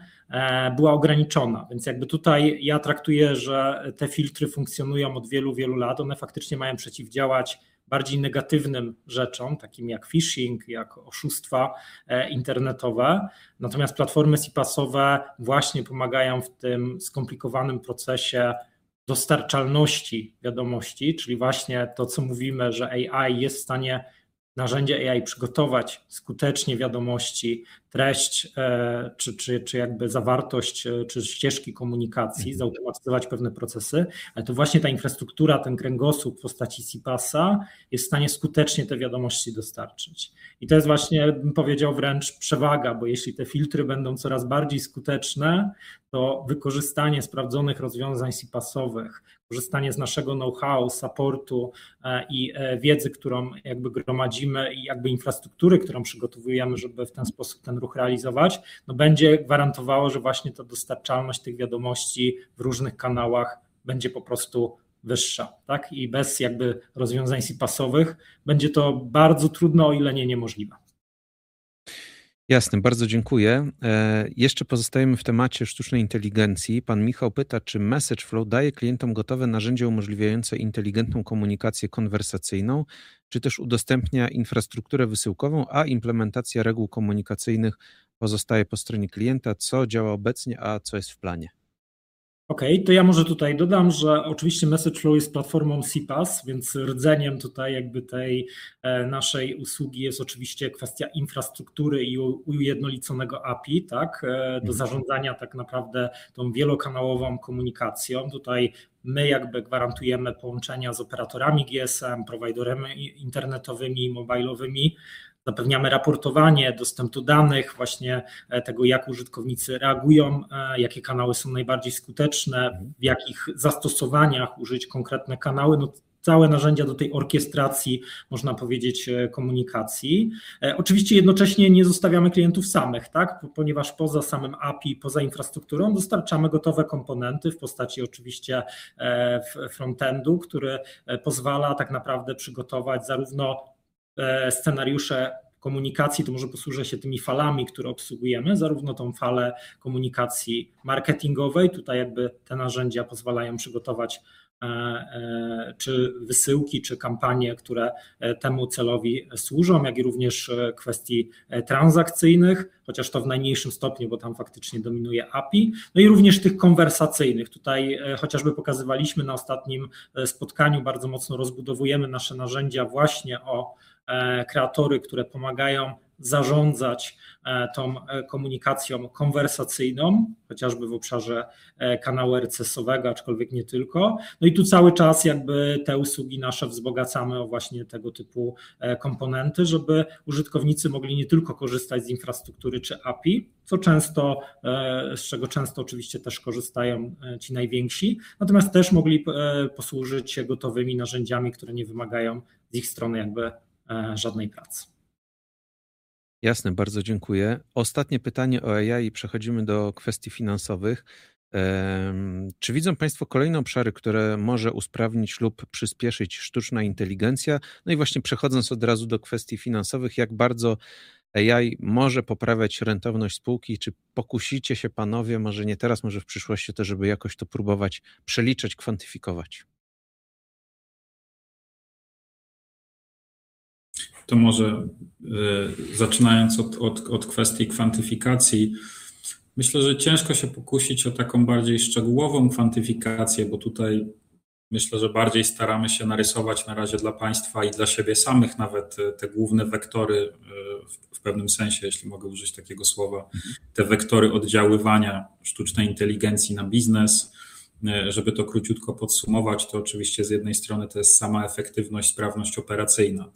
była ograniczona. Jakby tutaj ja traktuję, że te filtry funkcjonują od wielu lat. One faktycznie mają przeciwdziałać bardziej negatywnym rzeczom, takim jak phishing, jak oszustwa, internetowe. Natomiast platformy CPaaS-owe właśnie pomagają w tym skomplikowanym procesie dostarczalności wiadomości. Czyli właśnie to, co mówimy, że AI jest w stanie, narzędzia AI przygotować skutecznie wiadomości, treść, czy jakby zawartość, czy ścieżki komunikacji, zautomatyzować pewne procesy. Ale to właśnie ta infrastruktura, ten kręgosłup w postaci CPaaS-a jest w stanie skutecznie te wiadomości dostarczyć. I to jest właśnie, ja bym powiedział, wręcz przewaga, bo jeśli te filtry będą coraz bardziej skuteczne, to wykorzystanie sprawdzonych rozwiązań CPaaS-owych, korzystanie z naszego know-how, supportu, i wiedzy, którą gromadzimy i infrastruktury, którą przygotowujemy, żeby w ten sposób ten ruch realizować, będzie gwarantowało, że właśnie ta dostarczalność tych wiadomości w różnych kanałach będzie po prostu wyższa, tak? Bez jakby rozwiązań CPaaS-owych będzie to bardzo trudne, o ile nie niemożliwe. Jasne. Bardzo dziękuję. Jeszcze pozostajemy w temacie sztucznej inteligencji. Pan Michał pyta, czy MessageFlow daje klientom gotowe narzędzia umożliwiające inteligentną komunikację konwersacyjną, czy też udostępnia infrastrukturę wysyłkową, a implementacja reguł komunikacyjnych pozostaje po stronie klienta? Co działa obecnie, a co jest w planie? Okej, to ja może tutaj dodam, że oczywiście MessageFlow jest platformą CPaaS, więc rdzeniem tutaj jakby tej naszej usługi jest oczywiście kwestia infrastruktury i ujednoliconego API, tak? Do zarządzania tak naprawdę tą wielokanałową komunikacją. Tutaj my jakby gwarantujemy połączenia z operatorami GSM, providerami internetowymi i mobilnymi. Zapewniamy raportowanie dostępu danych, właśnie, tego, jak użytkownicy reagują, jakie kanały są najbardziej skuteczne, w jakich zastosowaniach użyć konkretne kanały. No całe narzędzia do tej orkiestracji, można powiedzieć, komunikacji. Oczywiście jednocześnie nie zostawiamy klientów samych, tak? Ponieważ poza samym API, poza infrastrukturą dostarczamy gotowe komponenty w postaci oczywiście, front-endu, który, pozwala tak naprawdę przygotować zarówno, scenariusze komunikacji. Tu może posłużę się tymi falami, które obsługujemy, zarówno tą falę komunikacji marketingowej. Tutaj jakby te narzędzia pozwalają przygotować, czy wysyłki, czy kampanie, które, temu celowi służą, jak i również kwestii, transakcyjnych. Chociaż to w najmniejszym stopniu, bo tam faktycznie dominuje API. No i również tych konwersacyjnych. Tutaj chociażby pokazywaliśmy na ostatnim spotkaniu bardzo mocno rozbudowujemy nasze narzędzia właśnie o kreatory, które pomagają zarządzać tą komunikacją konwersacyjną. Chociażby w obszarze kanału RCS-owego, aczkolwiek nie tylko. No i tu cały czas jakby te usługi nasze wzbogacamy o właśnie tego typu komponenty, żeby użytkownicy mogli nie tylko korzystać z infrastruktury czy API, co często z czego często oczywiście też korzystają ci najwięksi. Natomiast też mogli posłużyć się gotowymi narzędziami, które nie wymagają z ich strony jakby żadnej pracy. Jasne. Bardzo dziękuję. Ostatnie pytanie o AI i przechodzimy do kwestii finansowych. Czy widzą państwo kolejne obszary, które może usprawnić lub przyspieszyć sztuczna inteligencja? No i właśnie przechodząc od razu do kwestii finansowych, jak bardzo AI może poprawiać rentowność spółki? Czy pokusicie się panowie, może nie teraz, może w przyszłości też, żeby jakoś to próbować przeliczać, kwantyfikować? To może, zaczynając od kwestii kwantyfikacji. Myślę, że ciężko się pokusić o taką bardziej szczegółową kwantyfikację, bo tutaj myślę, że bardziej staramy się narysować na razie dla państwa i dla siebie samych nawet te główne wektory. W pewnym sensie, jeśli mogę użyć takiego słowa, te wektory oddziaływania sztucznej inteligencji na biznes. Żeby to króciutko podsumować, to oczywiście z jednej strony to jest sama efektywność, sprawność operacyjna,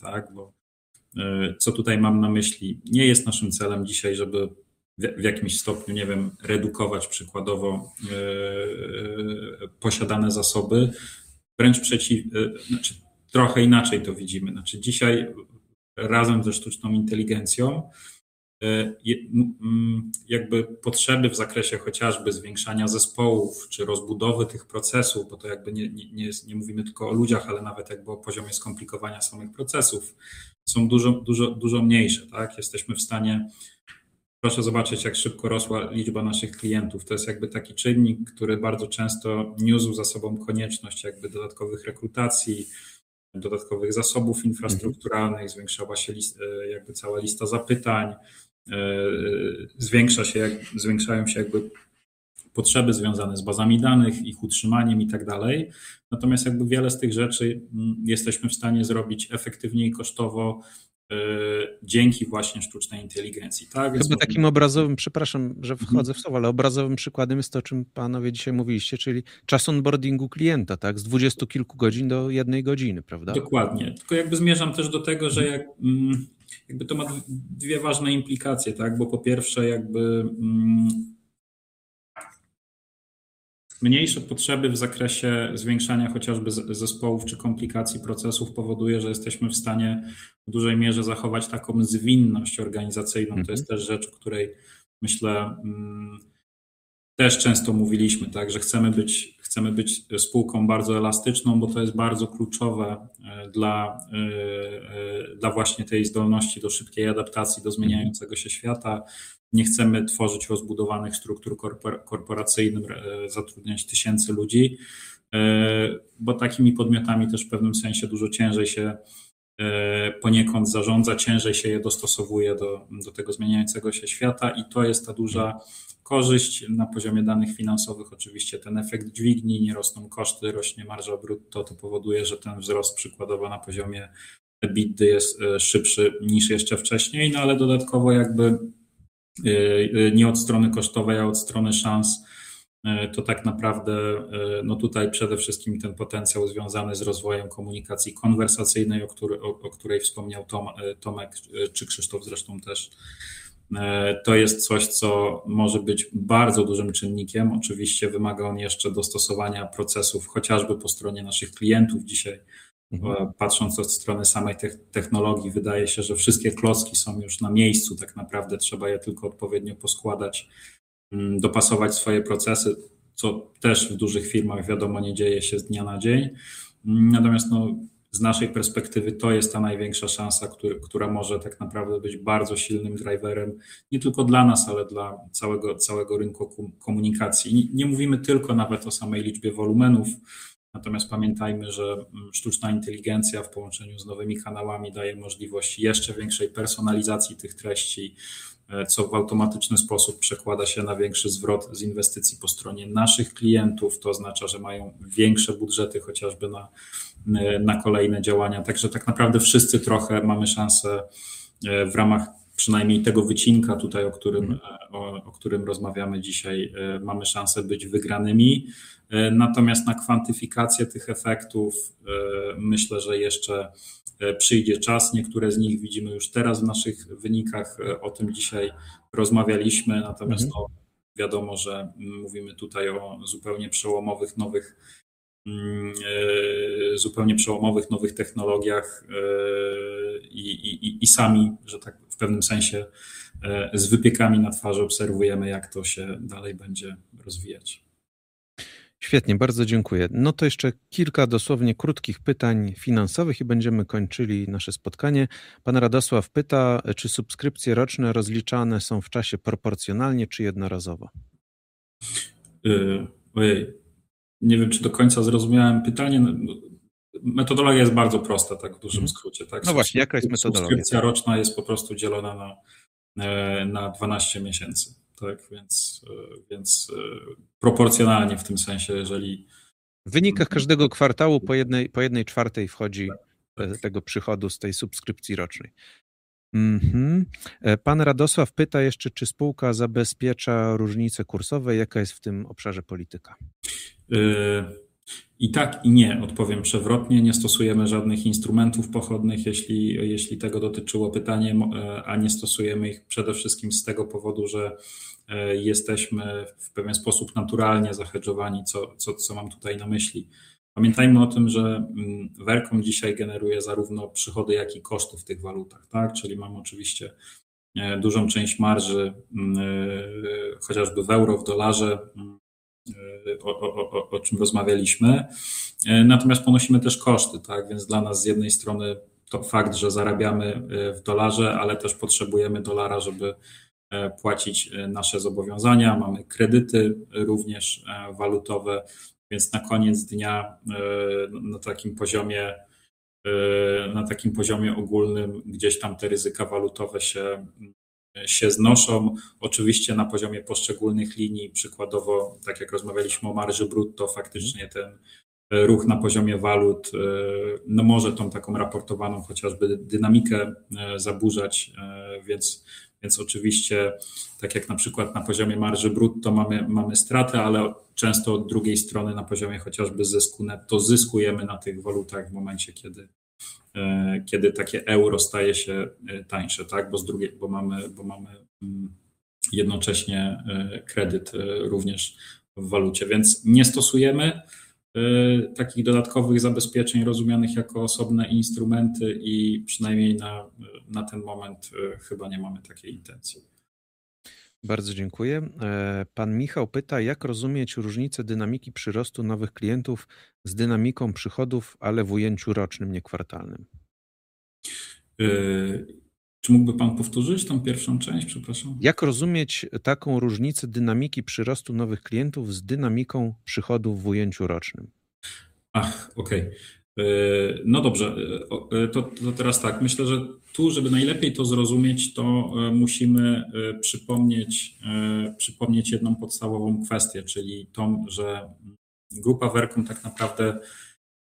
tak? Bo, co tutaj mam na myśli? Nie jest naszym celem dzisiaj, żeby w jakimś stopniu, nie wiem, redukować przykładowo, posiadane zasoby. Wręcz przeciwnie, znaczy trochę inaczej to widzimy. Znaczy dzisiaj razem ze sztuczną inteligencją, jakby potrzeby w zakresie chociażby zwiększania zespołów czy rozbudowy tych procesów, bo to jakby nie mówimy tylko o ludziach, ale nawet jakby o poziomie skomplikowania samych procesów, są dużo mniejsze, tak? Jesteśmy w stanie proszę zobaczyć, jak szybko rosła liczba naszych klientów. To jest jakby taki czynnik, który bardzo często niósł za sobą konieczność jakby dodatkowych rekrutacji, dodatkowych zasobów infrastrukturalnych. Zwiększała się, jakby cała lista zapytań. Zwiększają się jakby potrzeby związane z bazami danych, ich utrzymaniem i tak dalej. Natomiast jakby wiele z tych rzeczy, jesteśmy w stanie zrobić efektywniej kosztowo, dzięki właśnie sztucznej inteligencji, tak? Przepraszam, że wchodzę w słowo, ale obrazowym przykładem jest to, o czym panowie dzisiaj mówiliście, czyli czas onboardingu klienta, tak? Z 20-kilku godzin do 1 godziny, prawda? Dokładnie. Tylko jakby zmierzam też do tego, że jakby to ma dwie ważne implikacje, tak? Bo po pierwsze jakby mniejsze potrzeby w zakresie zwiększania chociażby zespołów czy komplikacji procesów powoduje, że jesteśmy w stanie w dużej mierze zachować taką zwinność organizacyjną. To jest też rzecz, o której myślę też często mówiliśmy, tak? Że chcemy być, chcemy być spółką bardzo elastyczną, bo to jest bardzo kluczowe dla właśnie tej zdolności do szybkiej adaptacji do zmieniającego się świata. Nie chcemy tworzyć rozbudowanych struktur korporacyjnych, zatrudniać tysięcy ludzi, bo takimi podmiotami też w pewnym sensie dużo ciężej się poniekąd zarządza, ciężej się je dostosowuje do tego zmieniającego się świata. To jest ta duża korzyść na poziomie danych finansowych oczywiście ten efekt dźwigni: nie rosną koszty, rośnie marża brutto. To powoduje, że ten wzrost przykładowo na poziomie EBITDA jest szybszy niż jeszcze wcześniej. No ale dodatkowo jakby nie od strony kosztowej, a od strony szans to tak naprawdę no tutaj przede wszystkim ten potencjał związany z rozwojem komunikacji konwersacyjnej, o którą wspomniał Tomek czy Krzysztof zresztą też to jest coś, co może być bardzo dużym czynnikiem. Oczywiście wymaga on jeszcze dostosowania procesów, chociażby po stronie naszych klientów. Dzisiaj, patrząc od strony samej technologii, wydaje się, że wszystkie klocki są już na miejscu. Tak naprawdę trzeba je tylko odpowiednio poskładać, dopasować swoje procesy, co też w dużych firmach wiadomo, nie dzieje się z dnia na dzień. Natomiast z naszej perspektywy to jest ta największa szansa, która może tak naprawdę być bardzo silnym driverem nie tylko dla nas, ale dla całego rynku komunikacji. Nie mówimy tylko nawet o samej liczbie wolumenów. Pamiętajmy, że sztuczna inteligencja w połączeniu z nowymi kanałami daje możliwość jeszcze większej personalizacji tych treści, co w automatyczny sposób przekłada się na większy zwrot z inwestycji po stronie naszych klientów. To oznacza, że mają większe budżety, chociażby na kolejne działania. Tak naprawdę wszyscy trochę mamy szansę w ramach przynajmniej tego wycinka tutaj, o którym rozmawiamy dzisiaj, mamy szansę być wygranymi. Na kwantyfikację tych efektów myślę, że jeszcze przyjdzie czas. Niektóre z nich widzimy już teraz w naszych wynikach. O tym dzisiaj rozmawialiśmy. Mhm No wiadomo, że mówimy tutaj o zupełnie przełomowych, nowych technologiach i sami, że tak w pewnym sensie z wypiekami na twarzy obserwujemy, jak to się dalej będzie rozwijać. Świetnie. Bardzo dziękuję. No to jeszcze kilka dosłownie krótkich pytań finansowych i będziemy kończyli nasze spotkanie. Pan Radosław pyta: „Czy subskrypcje roczne rozliczane są w czasie proporcjonalnie czy jednorazowo?” Ojej, nie wiem, czy do końca zrozumiałem pytanie. No, metodologia jest bardzo prosta, tak w dużym skrócie, tak? No właśnie, jaka jest metodologia? Subskrypcja roczna jest po prostu dzielona na 12 miesięcy. Tak więc, proporcjonalnie w tym sensie, jeżeli- W wynikach każdego kwartału po jednej czwartej wchodzi Tak... tego przychodu z tej subskrypcji rocznej. Pan Radosław pyta jeszcze: „Czy spółka zabezpiecza różnice kursowe? Jaka jest w tym obszarze polityka?” I tak, i nie. Odpowiem przewrotnie: nie stosujemy żadnych instrumentów pochodnych, jeśli tego dotyczyło pytanie. A nie stosujemy ich przede wszystkim z tego powodu, że jesteśmy w pewien sposób naturalnie zahedżowani. Co mam tutaj na myśli? Pamiętajmy o tym, że Vercom dzisiaj generuje zarówno przychody, jak i koszty w tych walutach, tak? Czyli mamy oczywiście dużą część marży, chociażby w euro, w dolarze, o czym rozmawialiśmy. Natomiast ponosimy też koszty, tak? Więc dla nas z jednej strony to fakt, że zarabiamy w dolarze, ale też potrzebujemy dolara, żeby płacić nasze zobowiązania. Mamy kredyty, również walutowe, więc na koniec dnia na takim poziomie na takim poziomie ogólnym gdzieś tam te ryzyka walutowe się znoszą. Oczywiście na poziomie poszczególnych linii, przykładowo tak jak rozmawialiśmy o marży brutto, faktycznie ten ruch na poziomie walut, no może tą taką raportowaną chociażby dynamikę, zaburzać. Więc oczywiście, tak jak na przykład na poziomie marży brutto mamy straty, ale często od drugiej strony na poziomie chociażby zysku netto zyskujemy na tych walutach w momencie, kiedy takie euro staje się tańsze, tak? Bo z drugiej strony mamy jednocześnie kredyt również w walucie. Nie stosujemy takich dodatkowych zabezpieczeń rozumianych jako osobne instrumenty i przynajmniej na ten moment chyba nie mamy takiej intencji. Bardzo dziękuję. Pan Michał pyta: „Jak rozumieć różnicę dynamiki przyrostu nowych klientów z dynamiką przychodów, ale w ujęciu rocznym, nie kwartalnym?” Czy mógłby pan powtórzyć tę pierwszą część, przepraszam? Jak rozumieć taką różnicę dynamiki przyrostu nowych klientów z dynamiką przychodów w ujęciu rocznym? No dobrze, to teraz tak: myślę, że tu, żeby najlepiej to zrozumieć, musimy przypomnieć jedną podstawową kwestię, czyli tę, że grupa Vercom tak naprawdę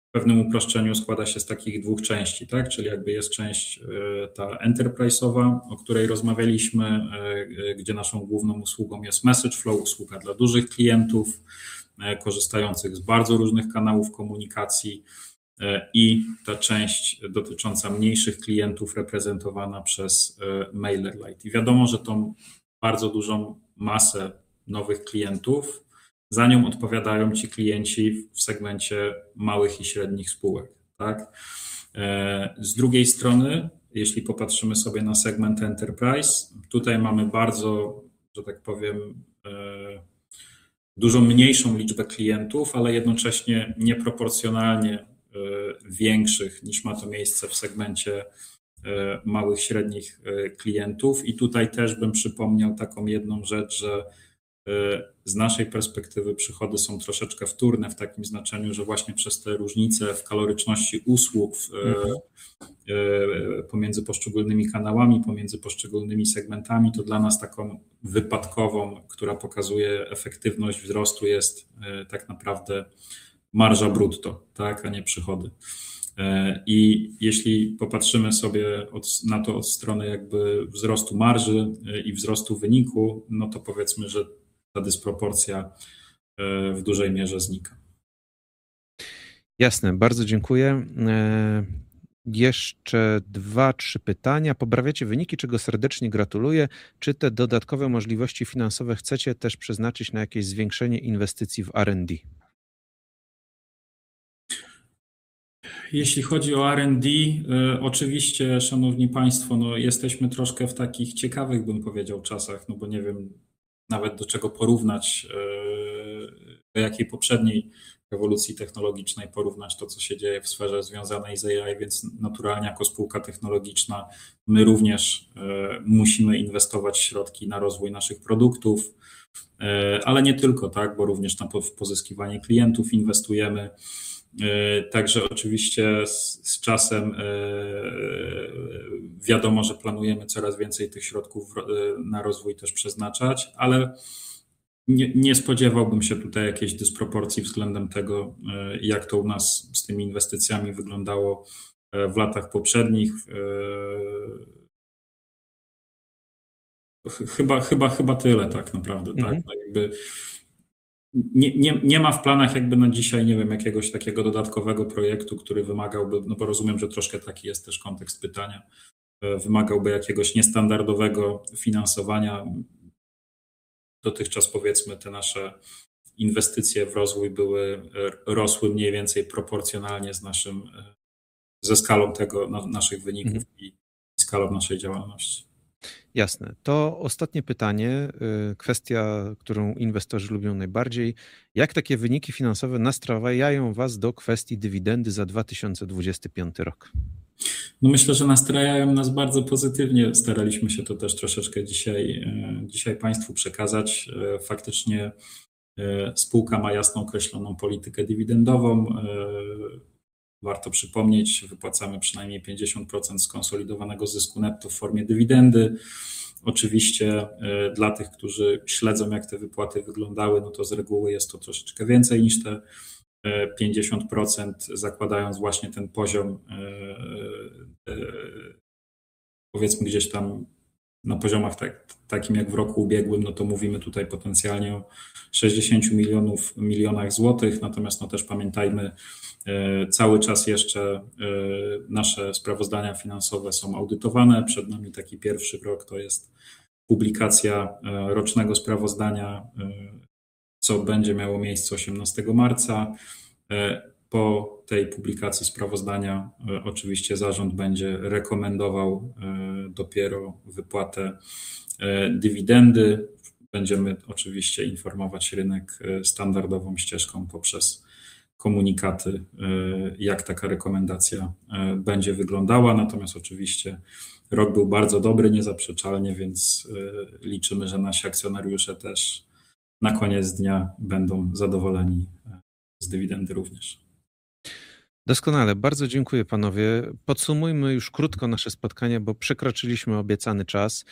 w pewnym uproszczeniu składa się z takich dwóch części, tak? Czyli jest część ta enterprise'owa, o której rozmawialiśmy, gdzie naszą główną usługą jest MessageFlow, usługa dla dużych klientów korzystających z bardzo różnych kanałów komunikacji. Ta część dotycząca mniejszych klientów reprezentowana przez MailerLite. Wiadomo, że tę bardzo dużą masę nowych klientów, za nią odpowiadają ci klienci w segmencie małych i średnich spółek, tak? Z drugiej strony, jeśli popatrzymy sobie na segment enterprise, tutaj mamy bardzo, że tak powiem, dużo mniejszą liczbę klientów, ale jednocześnie nieproporcjonalnie większych niż ma to miejsce w segmencie małych i średnich klientów. Tutaj też bym przypomniał taką jedną rzecz, że z naszej perspektywy przychody są troszeczkę wtórne w takim znaczeniu, że właśnie przez te różnice w kaloryczności usług. Mhm Pomiędzy poszczególnymi kanałami, pomiędzy poszczególnymi segmentami to dla nas taką wypadkową, która pokazuje efektywność wzrostu, jest tak naprawdę marża brutto, tak? Nie przychody. Jeśli popatrzymy sobie na to od strony jakby wzrostu marży i wzrostu wyniku, no to powiedzmy, że ta dysproporcja w dużej mierze znika. Jasne. Bardzo dziękuję. Jeszcze dwa, trzy pytania. Poprawiacie wyniki, czego serdecznie gratuluję. Czy te dodatkowe możliwości finansowe chcecie też przeznaczyć na jakieś zwiększenie inwestycji w R&D? Jeśli chodzi o R&D, oczywiście szanowni państwo, no jesteśmy troszkę w takich ciekawych, bym powiedział, czasach, no bo nie wiem nawet do jakiej poprzedniej rewolucji technologicznej porównać to, co się dzieje w sferze związanej z AI. Więc naturalnie jako spółka technologiczna my również musimy inwestować środki na rozwój naszych produktów. Ale nie tylko, tak? Bo również na pozyskiwanie klientów inwestujemy. Także oczywiście z czasem wiadomo, że planujemy coraz więcej tych środków na rozwój też przeznaczać, ale nie spodziewałbym się tutaj jakiejś dysproporcji względem tego, jak to u nas z tymi inwestycjami wyglądało w latach poprzednich. Chyba tyle tak naprawdę, tak? Mhm. No jakby nie ma w planach jakby na dzisiaj, nie wiem, jakiegoś takiego dodatkowego projektu, który wymagałby, no bo rozumiem, że troszkę taki jest też kontekst pytania, wymagałby jakiegoś niestandardowego finansowania. Dotychczas, powiedzmy, te nasze inwestycje w rozwój były rosły mniej więcej proporcjonalnie z naszym ze skalą tego naszych wyników i skalą naszej działalności. Jasne. To ostatnie pytanie. Kwestia, którą inwestorzy lubią najbardziej. Jak takie wyniki finansowe nastrajają was do kwestii dywidendy za 2025 rok? Myślę, że nastrajają nas bardzo pozytywnie. Staraliśmy się to też troszeczkę dzisiaj państwu przekazać. Faktycznie, spółka ma jasno określoną politykę dywidendową. Warto przypomnieć, wypłacamy przynajmniej 50% skonsolidowanego zysku netto w formie dywidendy. Oczywiście, dla tych, którzy śledzą, jak te wypłaty wyglądały, no to z reguły jest to troszeczkę więcej niż te 50%. Zakładając właśnie ten poziom, powiedzmy gdzieś tam na poziomach takim jak w roku ubiegłym, no to mówimy tutaj potencjalnie o 60 million. Natomiast też pamiętajmy, cały czas jeszcze nasze sprawozdania finansowe są audytowane. Przed nami taki pierwszy krok to jest publikacja rocznego sprawozdania, co będzie miało miejsce 18 marca. Po tej publikacji sprawozdania, oczywiście zarząd będzie rekomendował dopiero wypłatę dywidendy. Będziemy oczywiście informować rynek standardową ścieżką poprzez komunikaty, jak taka rekomendacja będzie wyglądała. Oczywiście rok był bardzo dobry, niezaprzeczalnie, więc liczymy, że nasi akcjonariusze też na koniec dnia będą zadowoleni z dywidendy również. Doskonale. Bardzo dziękuję panowie. Podsumujmy już krótko nasze spotkanie, bo przekroczyliśmy obiecany czas.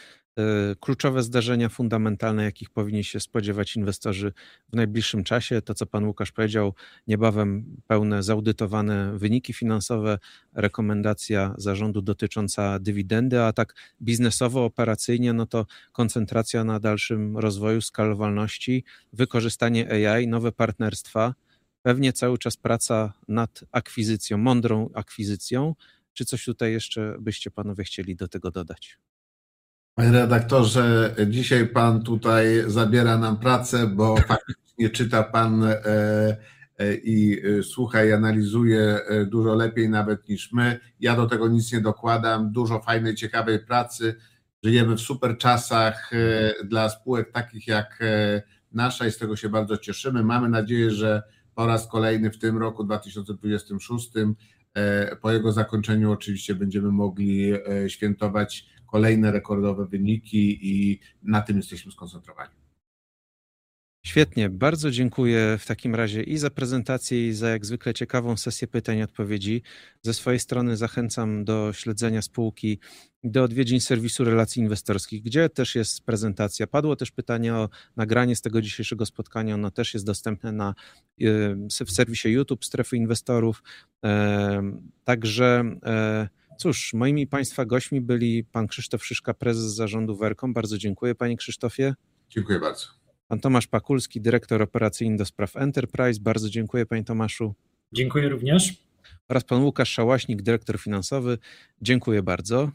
Kluczowe zdarzenia fundamentalne, jakich powinni się spodziewać inwestorzy w najbliższym czasie. To, co pan Łukasz powiedział, niebawem pełne zaudytowane wyniki finansowe, rekomendacja zarządu dotycząca dywidendy. A tak biznesowo, operacyjnie, no to koncentracja na dalszym rozwoju skalowalności, wykorzystanie AI, nowe partnerstwa. Pewnie cały czas praca nad akwizycją, mądrą akwizycją. Czy coś tutaj jeszcze byście panowie chcieli do tego dodać? Panie redaktorze, dzisiaj pan tutaj zabiera nam pracę, bo faktycznie czyta pan i słucha, i analizuje dużo lepiej nawet niż my. Ja do tego nic nie dokładam. Dużo fajnej, ciekawej pracy. Żyjemy w super czasach dla spółek takich jak nasza i z tego się bardzo cieszymy. Mamy nadzieję, że po raz kolejny w tym roku, 2026, po jego zakończeniu oczywiście będziemy mogli świętować kolejne rekordowe wyniki i na tym jesteśmy skoncentrowani. Świetnie. Bardzo dziękuję w takim razie i za prezentację, i za jak zwykle ciekawą sesję pytań i odpowiedzi. Ze swojej strony zachęcam do śledzenia spółki, do odwiedzin serwisu relacji inwestorskich, gdzie też jest prezentacja. Padło też pytanie o nagranie z tego dzisiejszego spotkania. Ono też jest dostępne na serwisie YouTube Strefy Inwestorów. Także, cóż, moimi i państwa gośćmi byli pan Krzysztof Szyszka, Prezes zarządu Vercom. Bardzo dziękuję, panie Krzysztofie. Dziękuję bardzo. Pan Tomasz Pakulski, dyrektor operacyjny do spraw Enterprise. Bardzo dziękuję panie Tomaszu. Dziękuję również. Pan Łukasz Szałaśnik, dyrektor finansowy. Dziękuję bardzo.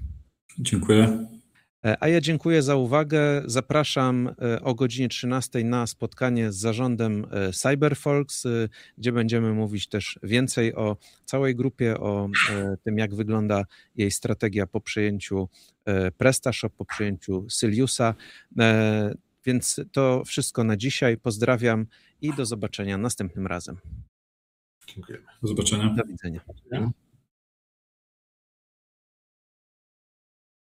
Dziękuję. A ja dziękuję za uwagę. Zapraszam o godzinie trzynastej na spotkanie z zarządem Cyber_Folks, gdzie będziemy mówić też więcej o całej grupie, o tym, jak wygląda jej strategia po przejęciu PrestaShop, po przejęciu Sylius. Więc to wszystko na dzisiaj. Pozdrawiam i do zobaczenia następnym razem. Dziękujemy. Do zobaczenia. Do widzenia. Dziękujemy